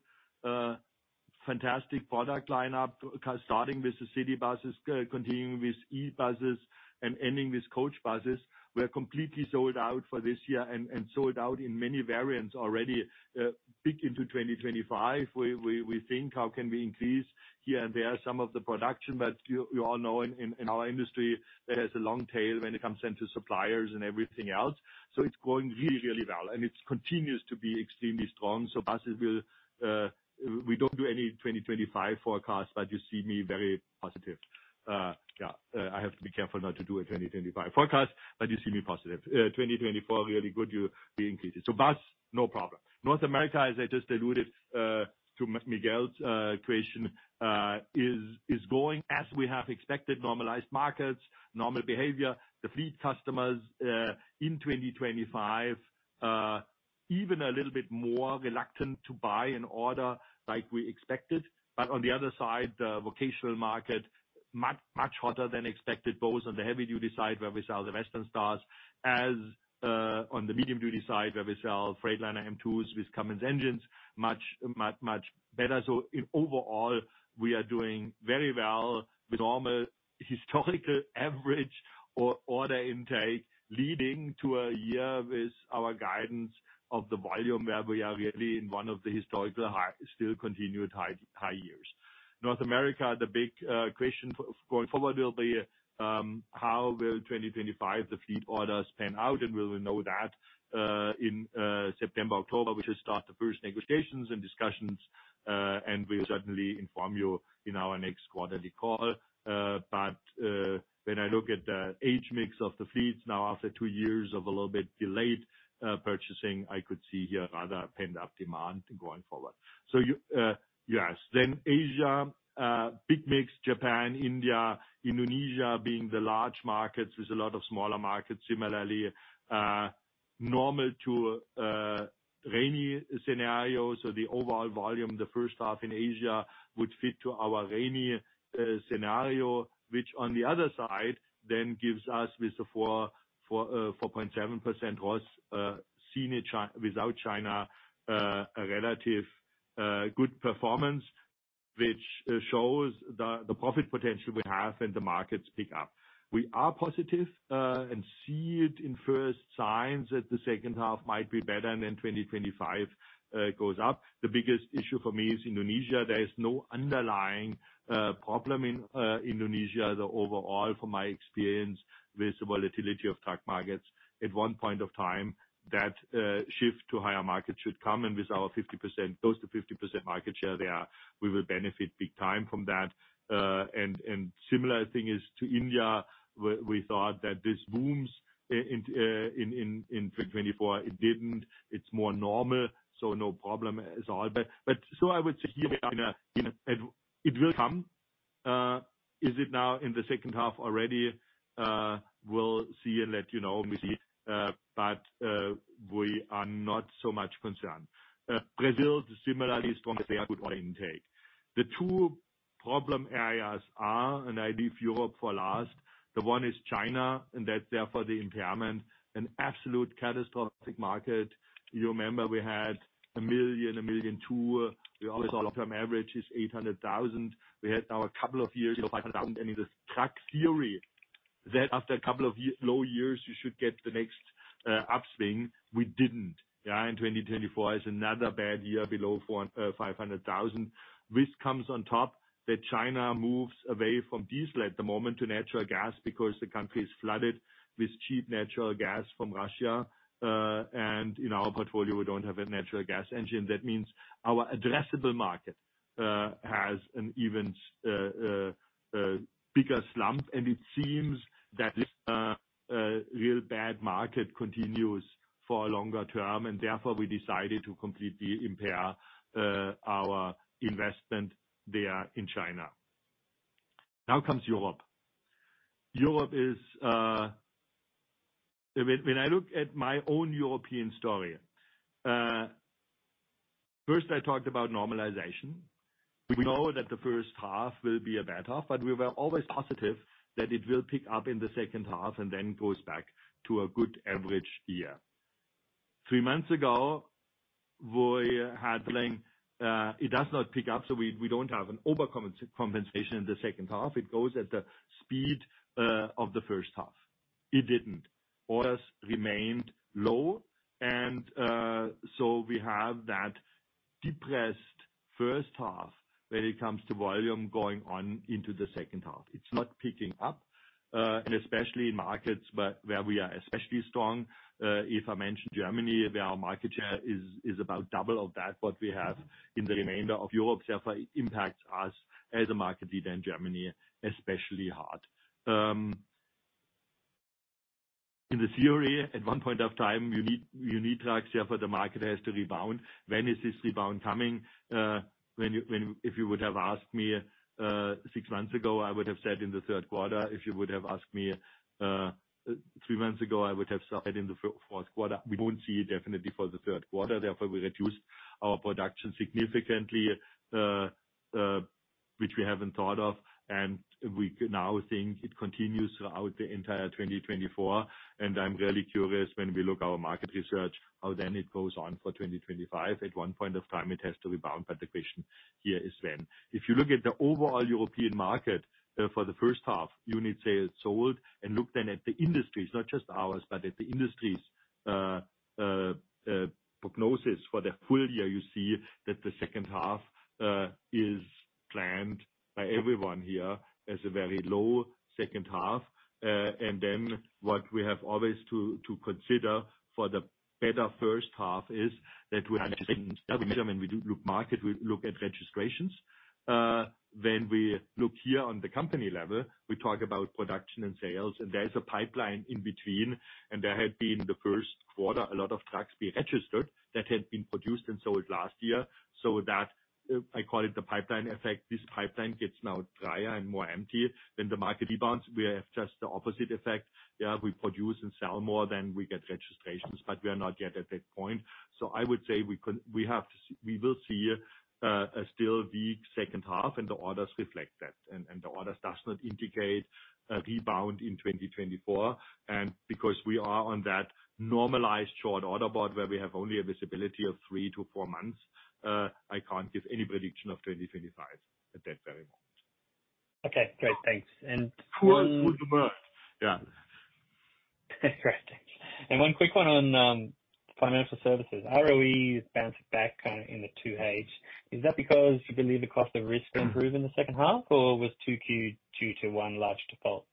fantastic product lineup, starting with the city buses, continuing with e-buses and ending with coach buses. We're completely sold out for this year and sold out in many variants already, big into 2025. We think, how can we increase here and there some of the production, but you all know in our industry, there is a long tail when it comes then to suppliers and everything else. So it's going really, really well, and it continues to be extremely strong. So buses will... We don't do any 2025 forecast, but you see me very positive. Yeah, I have to be careful not to do a 2025 forecast, but you see me positive. 2024, really good year. We increased it. So bus, no problem. North America, as I just alluded to Miguel's question, is going as we have expected, normalized markets, normal behavior. The fleet customers in 2025 even a little bit more reluctant to buy and order like we expected. But on the other side, the vocational market, much, much hotter than expected, both on the heavy-duty side, where we sell the Western Stars, as on the medium-duty side, where we sell Freightliner M2s with Cummins engines, much, much, much better. So overall, we are doing very well with normal historical average or order intake, leading to a year with our guidance of the volume, where we are really in one of the historical high, still continued high, high years. North America, the big question going forward will be, how will 2025, the fleet orders pan out? And we will know that in September, October, we should start the first negotiations and discussions, and we'll certainly inform you in our next quarterly call. But when I look at the age mix of the fleets now, after two years of a little bit delayed purchasing, I could see here rather a pent-up demand going forward. So you yes. Then Asia, big mix, Japan, India, Indonesia being the large markets, there's a lot of smaller markets similarly, normal to rainy scenarios. So the overall volume, the first half in Asia would fit to our rainy scenario, which on the other side, then gives us with the 4.7% was seen in China without China, a relative good performance, which shows the profit potential we have and the markets pick up. We are positive and see it in first signs that the second half might be better, and then 2025 goes up. The biggest issue for me is Indonesia. There is no underlying problem in Indonesia. The overall, from my experience with the volatility of truck markets, at one point of time, that shift to higher markets should come, and with our 50%, close to 50% market share there, we will benefit big time from that. And similar thing is to India, where we thought that this booms in 2024, it didn't. It's more normal, so no problem at all. But so I would say here, you know, it will come. Is it now in the second half already? We'll see and let you know when we see it, but we are not so much concerned. Brazil, similarly, strong, fair, good order intake. The two problem areas are, and I leave Europe for last, the one is China, and that's therefore the impairment, an absolute catastrophic market. You remember we had one million, 1.2 million. We always saw long-term average is 800,000. We had now a couple of years of... And in the truck theory, that after a couple of low years, you should get the next upswing. We didn't. Yeah, in 2024 is another bad year below 400-500,000, which comes on top, that China moves away from diesel at the moment to natural gas because the country is flooded with cheap natural gas from Russia. And in our portfolio, we don't have a natural gas engine. That means our addressable market has an even bigger slump, and it seems that real bad market continues for a longer term, and therefore, we decided to completely impair our investment there in China. Now comes Europe. Europe is... When I look at my own European story, first, I talked about normalization. We know that the first half will be a bad half, but we were always positive that it will pick up in the second half and then goes back to a good average year. Three months ago, we had planned, it does not pick up, so we don't have an overcompensation in the second half. It goes at the speed of the first half. It didn't. Orders remained low, and so we have that depressed first half when it comes to volume going on into the second half. It's not picking up, and especially in markets where we are especially strong. If I mention Germany, where our market share is about double of that what we have in the remainder of Europe, therefore, it impacts us as a market leader in Germany, especially hard. In theory, at one point in time, you need truck share, for the market has to rebound. When is this rebound coming? If you would have asked me six months ago, I would have said in the third quarter. If you would have asked me three months ago, I would have said in the fourth quarter. We don't see it definitely for the third quarter. Therefore, we reduced our production significantly, which we haven't thought of, and we now think it continues throughout the entire 2024. And I'm really curious, when we look at our market research, how then it goes on for 2025. At one point of time, it has to rebound, but the question here is when. If you look at the overall European market, for the first half, unit sales sold, and look then at the industries, not just ours, but at the industries', prognosis for the full year, you see that the second half is planned by everyone here as a very low second half. And then what we have always to, to consider for the better first half is that we have... And we do look market, we look at registrations. When we look here on the company level, we talk about production and sales, and there is a pipeline in between, and there had been the first quarter, a lot of trucks being registered that had been produced and sold last year. So that, I call it the pipeline effect. This pipeline gets now drier and more empty. When the market rebounds, we have just the opposite effect. Yeah, we produce and sell more than we get registrations, but we are not yet at that point. So I would say we will see a still weak second half, and the orders reflect that. And, the orders does not indicate a rebound in 2024. Because we are on that normalized short order board, where we have only a visibility of three to four months, I can't give any prediction of 2025 at that very moment.... Okay, great. Thanks. And- Four would work, yeah. Great, thank you. And one quick one on financial services. ROE is bouncing back kind of in the 20s. Is that because you believe the cost of risk will improve in the second half, or was 2Q due to one large default?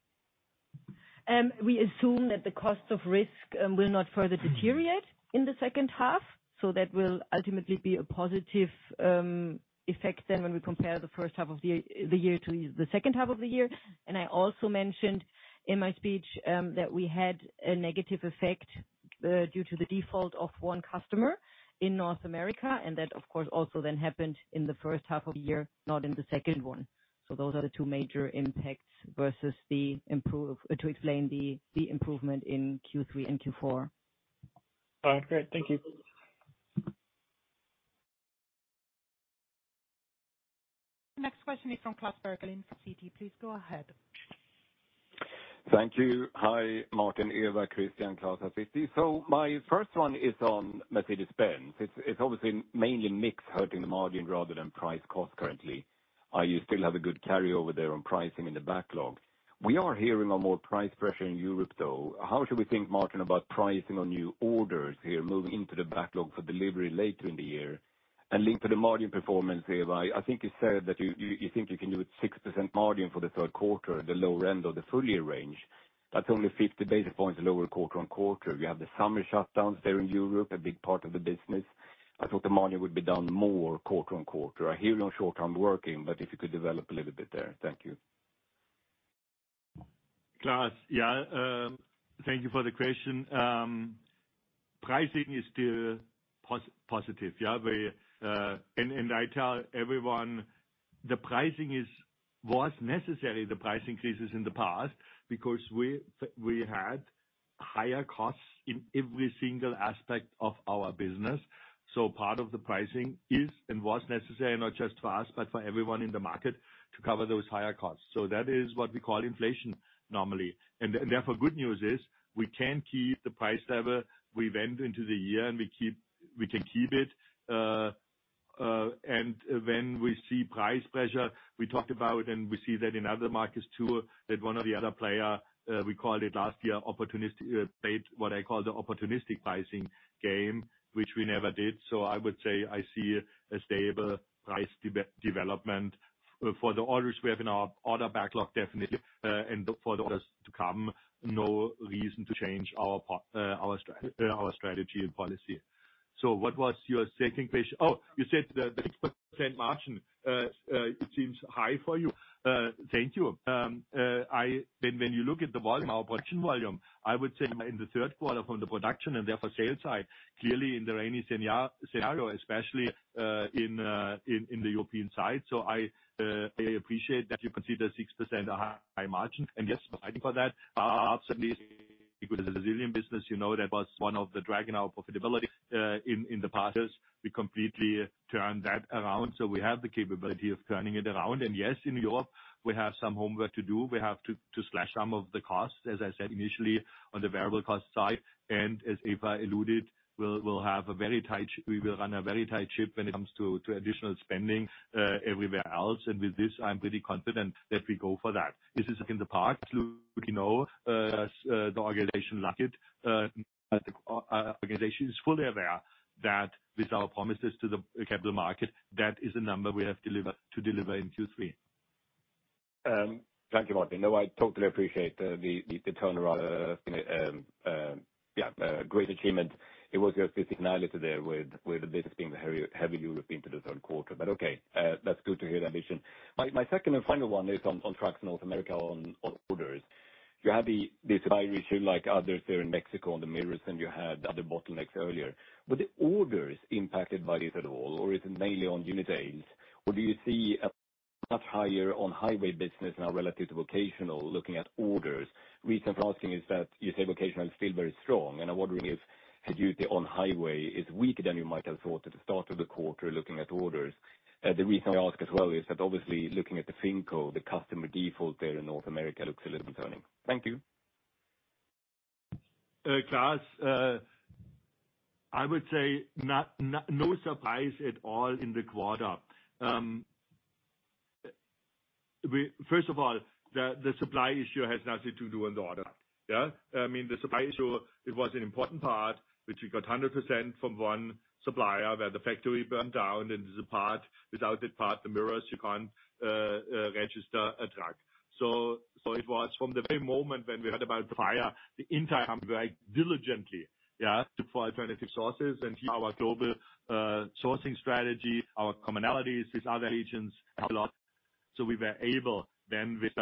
We assume that the cost of risk will not further deteriorate in the second half, so that will ultimately be a positive effect than when we compare the first half of the year to the second half of the year. I also mentioned in my speech that we had a negative effect due to the default of one customer in North America, and that, of course, also then happened in the first half of the year, not in the second one. Those are the two major impacts versus the improvement to explain the improvement in Q3 and Q4. All right, great. Thank you. Next question is from Klas Bergelind from Citi. Please go ahead. Thank you. Hi, Martin, Eva, Christian, Klas at Citi. So my first one is on Mercedes-Benz. It's obviously mainly mix hurting the margin rather than price cost currently. You still have a good carryover there on pricing in the backlog. We are hearing more price pressure in Europe, though. How should we think, Martin, about pricing on new orders here, moving into the backlog for delivery later in the year? And linked to the margin performance, Eva, I think you said that you think you can do a 6% margin for the third quarter, the lower end of the full year range. That's only 50 basis points lower quarter-on-quarter. You have the summer shutdowns there in Europe, a big part of the business. I thought the margin would be down more quarter-on-quarter. I hear you on short-term working, but if you could develop a little bit there. Thank you. Klas, yeah, thank you for the question. Pricing is still positive. Yeah, we, and I tell everyone the pricing is, was necessary, the price increases in the past, because we, we had higher costs in every single aspect of our business. So part of the pricing is, and was necessary, not just for us, but for everyone in the market, to cover those higher costs. So that is what we call inflation, normally. And therefore, good news is we can keep the price level we went into the year, and we keep, we can keep it. And when we see price pressure, we talked about, and we see that in other markets, too, that one or the other player, we called it last year, opportunistic, played what I call the opportunistic pricing game, which we never did. So I would say I see a stable price development for the orders we have in our order backlog, definitely, and for the orders to come, no reason to change our strategy and policy. So what was your second question? Oh, you said the 6% margin seems high for you. Thank you. When you look at the volume, our production volume, I would say in the third quarter from the production and therefore sales side, clearly in the rainy scenario, especially, in the European side. So I appreciate that you consider 6% a high margin, and yes, fighting for that. Absolutely, with the Brazilian business, you know, that was one of the dragging our profitability in the past years. We completely turned that around, so we have the capability of turning it around. Yes, in Europe, we have some homework to do. We have to slash some of the costs, as I said initially, on the variable cost side. And as Eva alluded, we will run a very tight ship when it comes to additional spending everywhere else. And with this, I'm pretty confident that we go for that. This is in the past, you know, the organization like it, the organization is fully aware that with our promises to the capital market, that is a number we have delivered to deliver in Q3. Thank you, Martin. No, I totally appreciate the turnaround, yeah, great achievement. It was your seasonality there with the business being heavy European to the third quarter, but okay, that's good to hear the ambition. My second and final one is on trucks in North America, on orders. You had the supply issue like others there in Mexico, on the mirrors, and you had other bottlenecks earlier. Were the orders impacted by this at all, or is it mainly on unit sales? Or do you see a much higher on-highway business now relative to vocational, looking at orders? Reason for asking is that you say vocational is still very strong, and I wonder if, had you the on-highway is weaker than you might have thought at the start of the quarter looking at orders. The reason I ask as well is that obviously looking at the Finco, the customer default there in North America looks a little concerning. Thank you. Klas, I would say not, no surprise at all in the quarter. First of all, the supply issue has nothing to do with the order, yeah? I mean, the supply issue, it was an important part, which we got 100% from one supplier, where the factory burned down and the part, without that part, the mirrors, you can't register a truck. So it was from the very moment when we heard about the fire, the entire time, very diligently, yeah, to find alternative sources and our global sourcing strategy, our commonalities with other regions, helped a lot. So we were able then, with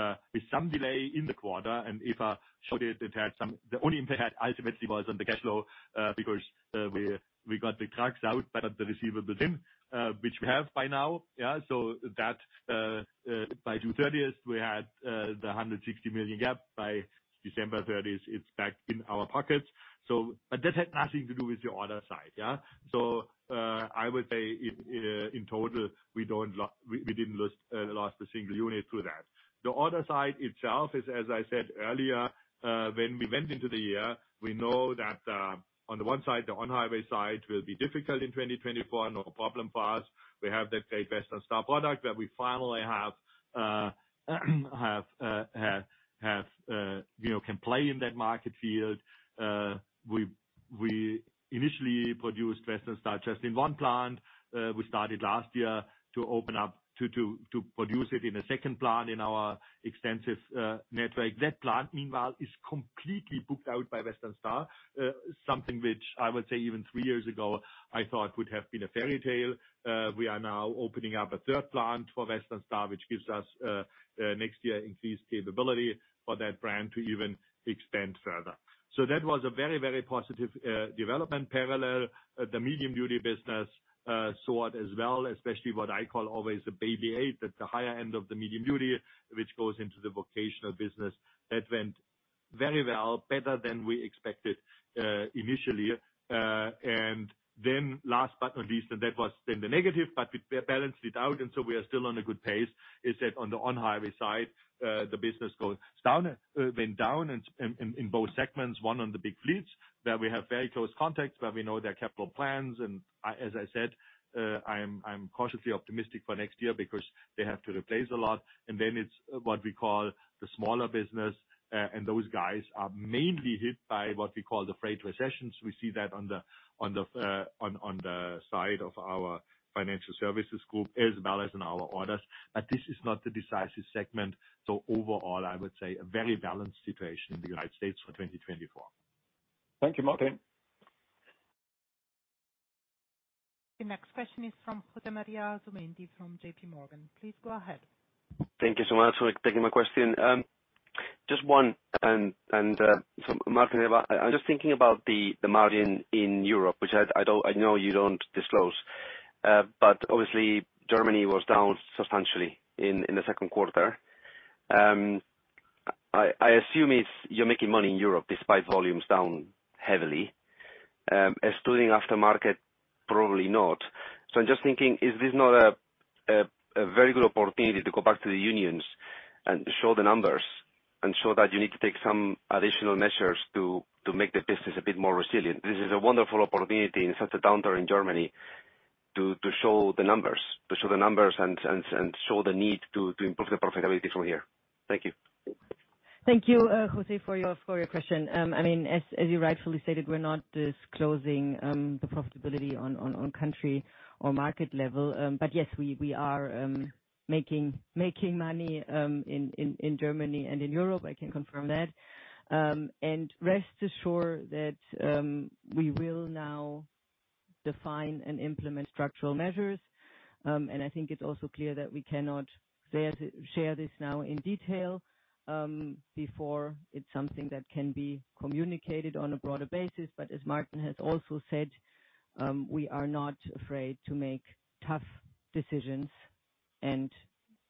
some delay in the quarter, and Eva showed it, it had some... The only impact ultimately was on the cash flow, because we got the trucks out, but the receivable didn't, which we have by now, yeah? So that by June thirtieth, we had the 160 million gap. By December thirtieth, it's back in our pockets. So, but that had nothing to do with the order side, yeah? So, I would say in total, we didn't lose a single unit through that. The order side itself is, as I said earlier, when we went into the year, we know that on the one side, the on-highway side will be difficult in 2024, no problem for us. We have that great best-in-class product that we finally have, you know, can play in that market field. We initially produced Western Star just in one plant. We started last year to open up to produce it in a second plant in our extensive network. That plant, meanwhile, is completely booked out by Western Star. Something which I would say even three years ago, I thought would have been a fairy tale. We are now opening up a third plant for Western Star, which gives us next year increased capability for that brand to even expand further. So that was a very, very positive development. Parallel, the medium-duty business soared as well, especially what I call always the Baby 8, at the higher end of the medium-duty, which goes into the vocational business. That went very well, better than we expected initially. And then last but not least, and that was then the negative, but we balanced it out, and so we are still on a good pace, is that on the on-highway side, the business goes down, went down in both segments. One, on the big fleets, that we have very close contacts, where we know their capital plans. And as I said, I'm cautiously optimistic for next year because they have to replace a lot. And then it's what we call the smaller business, and those guys are mainly hit by what we call the freight recessions. We see that on the side of our financial services group, as well as in our orders, but this is not the decisive segment. Overall, I would say a very balanced situation in the United States for 2024. Thank you, Martin. The next question is from Jose Maria Asumendi, from J.P. Morgan. Please go ahead. Thank you so much for taking my question. Just one, so Martin, I'm just thinking about the margin in Europe, which I don't -- I know you don't disclose, but obviously Germany was down substantially in the second quarter. I assume it's you're making money in Europe, despite volumes down heavily, excluding aftermarket, probably not. So I'm just thinking, is this not a very good opportunity to go back to the unions and show the numbers, and show that you need to take some additional measures to make the business a bit more resilient? This is a wonderful opportunity in such a downturn in Germany to show the numbers, to show the numbers and show the need to improve the profitability from here. Thank you. Thank you, Jose, for your question. I mean, as you rightfully stated, we're not disclosing the profitability on country or market level. But yes, we are making money in Germany and in Europe, I can confirm that. And rest assured that we will now define and implement structural measures. And I think it's also clear that we cannot share this now in detail before it's something that can be communicated on a broader basis. But as Martin has also said, we are not afraid to make tough decisions, and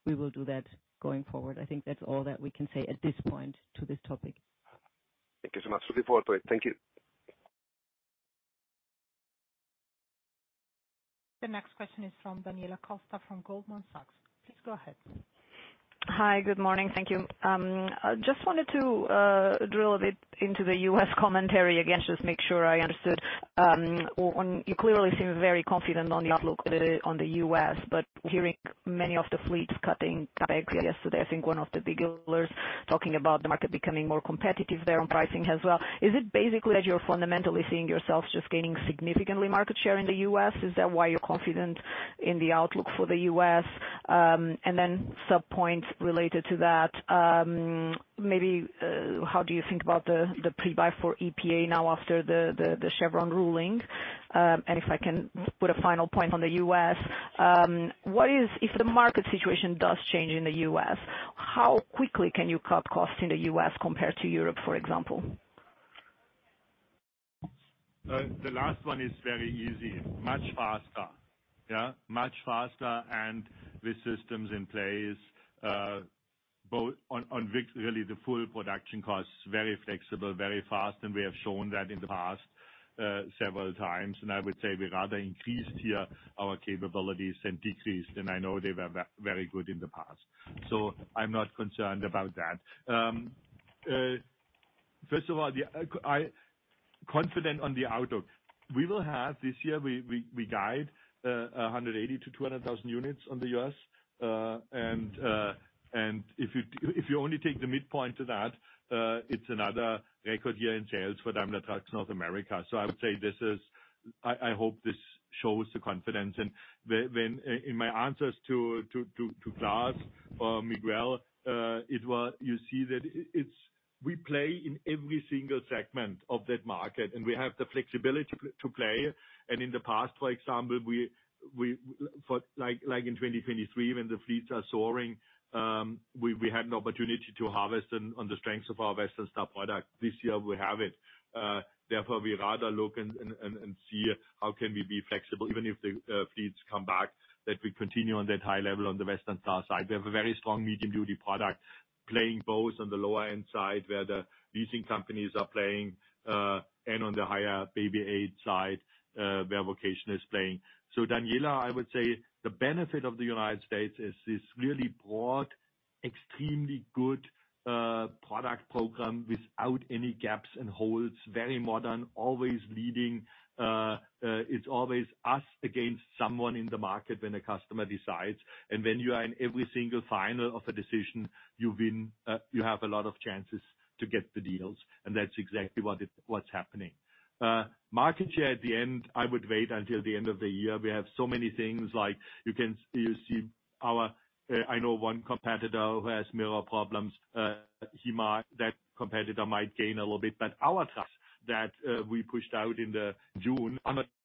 we will do that going forward. I think that's all that we can say at this point to this topic. Thank you so much. Looking forward to it. Thank you. The next question is from Daniela Costa, from Goldman Sachs. Please go ahead. Hi, good morning. Thank you. I just wanted to drill a bit into the US commentary again, just make sure I understood. On, you clearly seem very confident on the outlook on the US, but hearing many of the fleets cutting back yesterday, I think one of the big dealers talking about the market becoming more competitive there on pricing as well. Is it basically that you're fundamentally seeing yourselves just gaining significantly market share in the US? Is that why you're confident in the outlook for the US? And then subpoints related to that, maybe, how do you think about the pre-buy for EPA now after the Chevron ruling? And if I can put a final point on the US, what is... If the market situation does change in the US, how quickly can you cut costs in the US compared to Europe, for example? The last one is very easy, much faster. Yeah, much faster, and with systems in place, both on really the full production cost, very flexible, very fast, and we have shown that in the past, several times. And I would say we rather increased here our capabilities than decreased, and I know they were very good in the past. So I'm not concerned about that. First of all, I'm confident on the outlook. We will have, this year we guide 180-200,000 units on the US. And if you only take the midpoint to that, it's another record year in sales for Daimler Truck North America. So I would say this is—I hope this shows the confidence. And when in my answers to Lars, Miguel, it was. You see that it's we play in every single segment of that market, and we have the flexibility to play. In the past, for example, for like in 2023, when the fleets are soaring, we had an opportunity to harvest on the strengths of our Western Star product. This year, we have it. Therefore, we rather look and see how can we be flexible, even if the fleets come back, that we continue on that high level on the Western Star side. We have a very strong medium-duty product, playing both on the lower end side, where the leasing companies are playing, and on the higher Baby 8 side, where vocational is playing. So Daniela, I would say the benefit of the United States is this really broad extremely good product program without any gaps and holes, very modern, always leading. It's always us against someone in the market when a customer decides, and when you are in every single final of a decision, you win, you have a lot of chances to get the deals, and that's exactly what's happening. Market share at the end, I would wait until the end of the year. We have so many things like you can, you see our, I know one competitor who has mirror problems. That competitor might gain a little bit, but our trucks that we pushed out in June,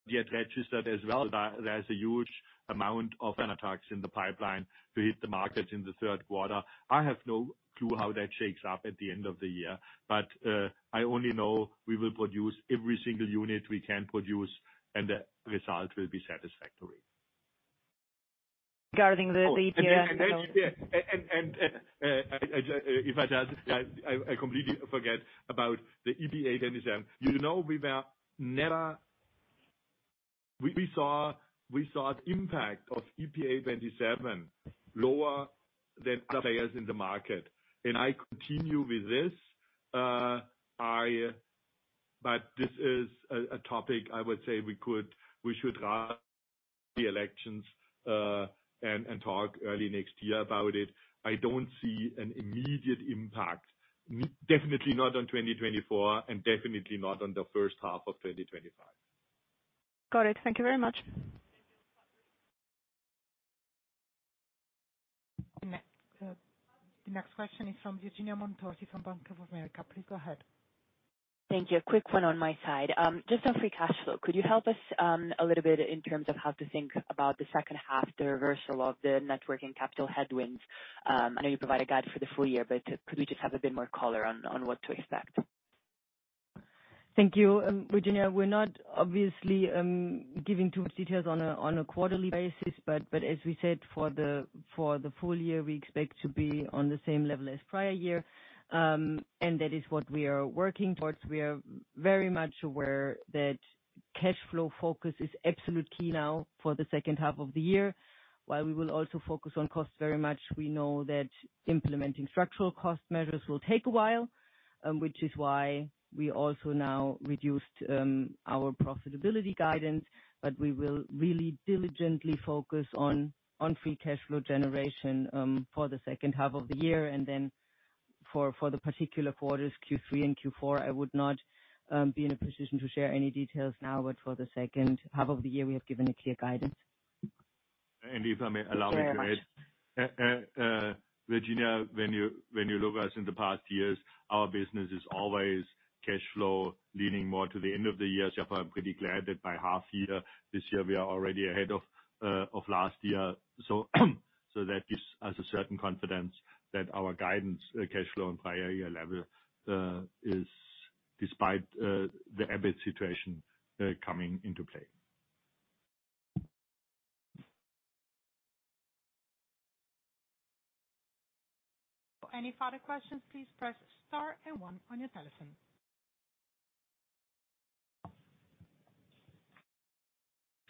yet registered as well. There's a huge amount of in the pipeline to hit the market in the third quarter. I have no clue how that shakes up at the end of the year, but, I only know we will produce every single unit we can produce, and the result will be satisfactory. Regarding the EPA? If I just completely forget about the EPA 2027. You know, we were never... We saw the impact of EPA 2027 lower than other players in the market, and I continue with this. But this is a topic I would say we could, we should have the elections and talk early next year about it. I don't see an immediate impact, definitely not on 2024, and definitely not on the first half of 2025. Got it. Thank you very much. The next question is from Virginia Montoliu from Bank of America. Please go ahead. Thank you. A quick one on my side. Just on free cash flow, could you help us, a little bit in terms of how to think about the second half, the reversal of the net working capital headwinds? I know you provided guidance for the full year, but could we just have a bit more color on what to expect? Thank you, Virginia. We're not obviously giving too much details on a quarterly basis, but as we said, for the full year, we expect to be on the same level as prior year. And that is what we are working towards. We are very much aware that cash flow focus is absolute key now for the second half of the year. While we will also focus on cost very much, we know that implementing structural cost measures will take a while, which is why we also now reduced our profitability guidance. But we will really diligently focus on free cash flow generation for the second half of the year. Then for the particular quarters, Q3 and Q4, I would not be in a position to share any details now, but for the second half of the year, we have given a clear guidance. If I may allow me to add. Thank you very much. Virginia, when you look at us in the past years, our business is always cash flow leading more to the end of the year. So I'm pretty glad that by half year, this year, we are already ahead of last year. So that gives us a certain confidence that our guidance, cash flow and prior year level, is despite the EBIT situation coming into play. Any further questions, please press Star and One on your telephone.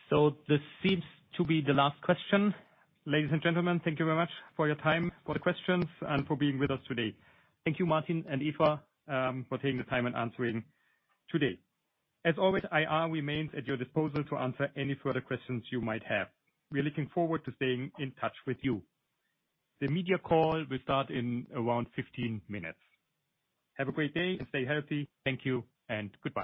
So this seems to be the last question. Ladies and gentlemen, thank you very much for your time, for the questions, and for being with us today. Thank you, Martin and Eva, for taking the time and answering today. As always, IR remains at your disposal to answer any further questions you might have. We are looking forward to staying in touch with you. The media call will start in around 15 minutes. Have a great day and stay healthy. Thank you and goodbye.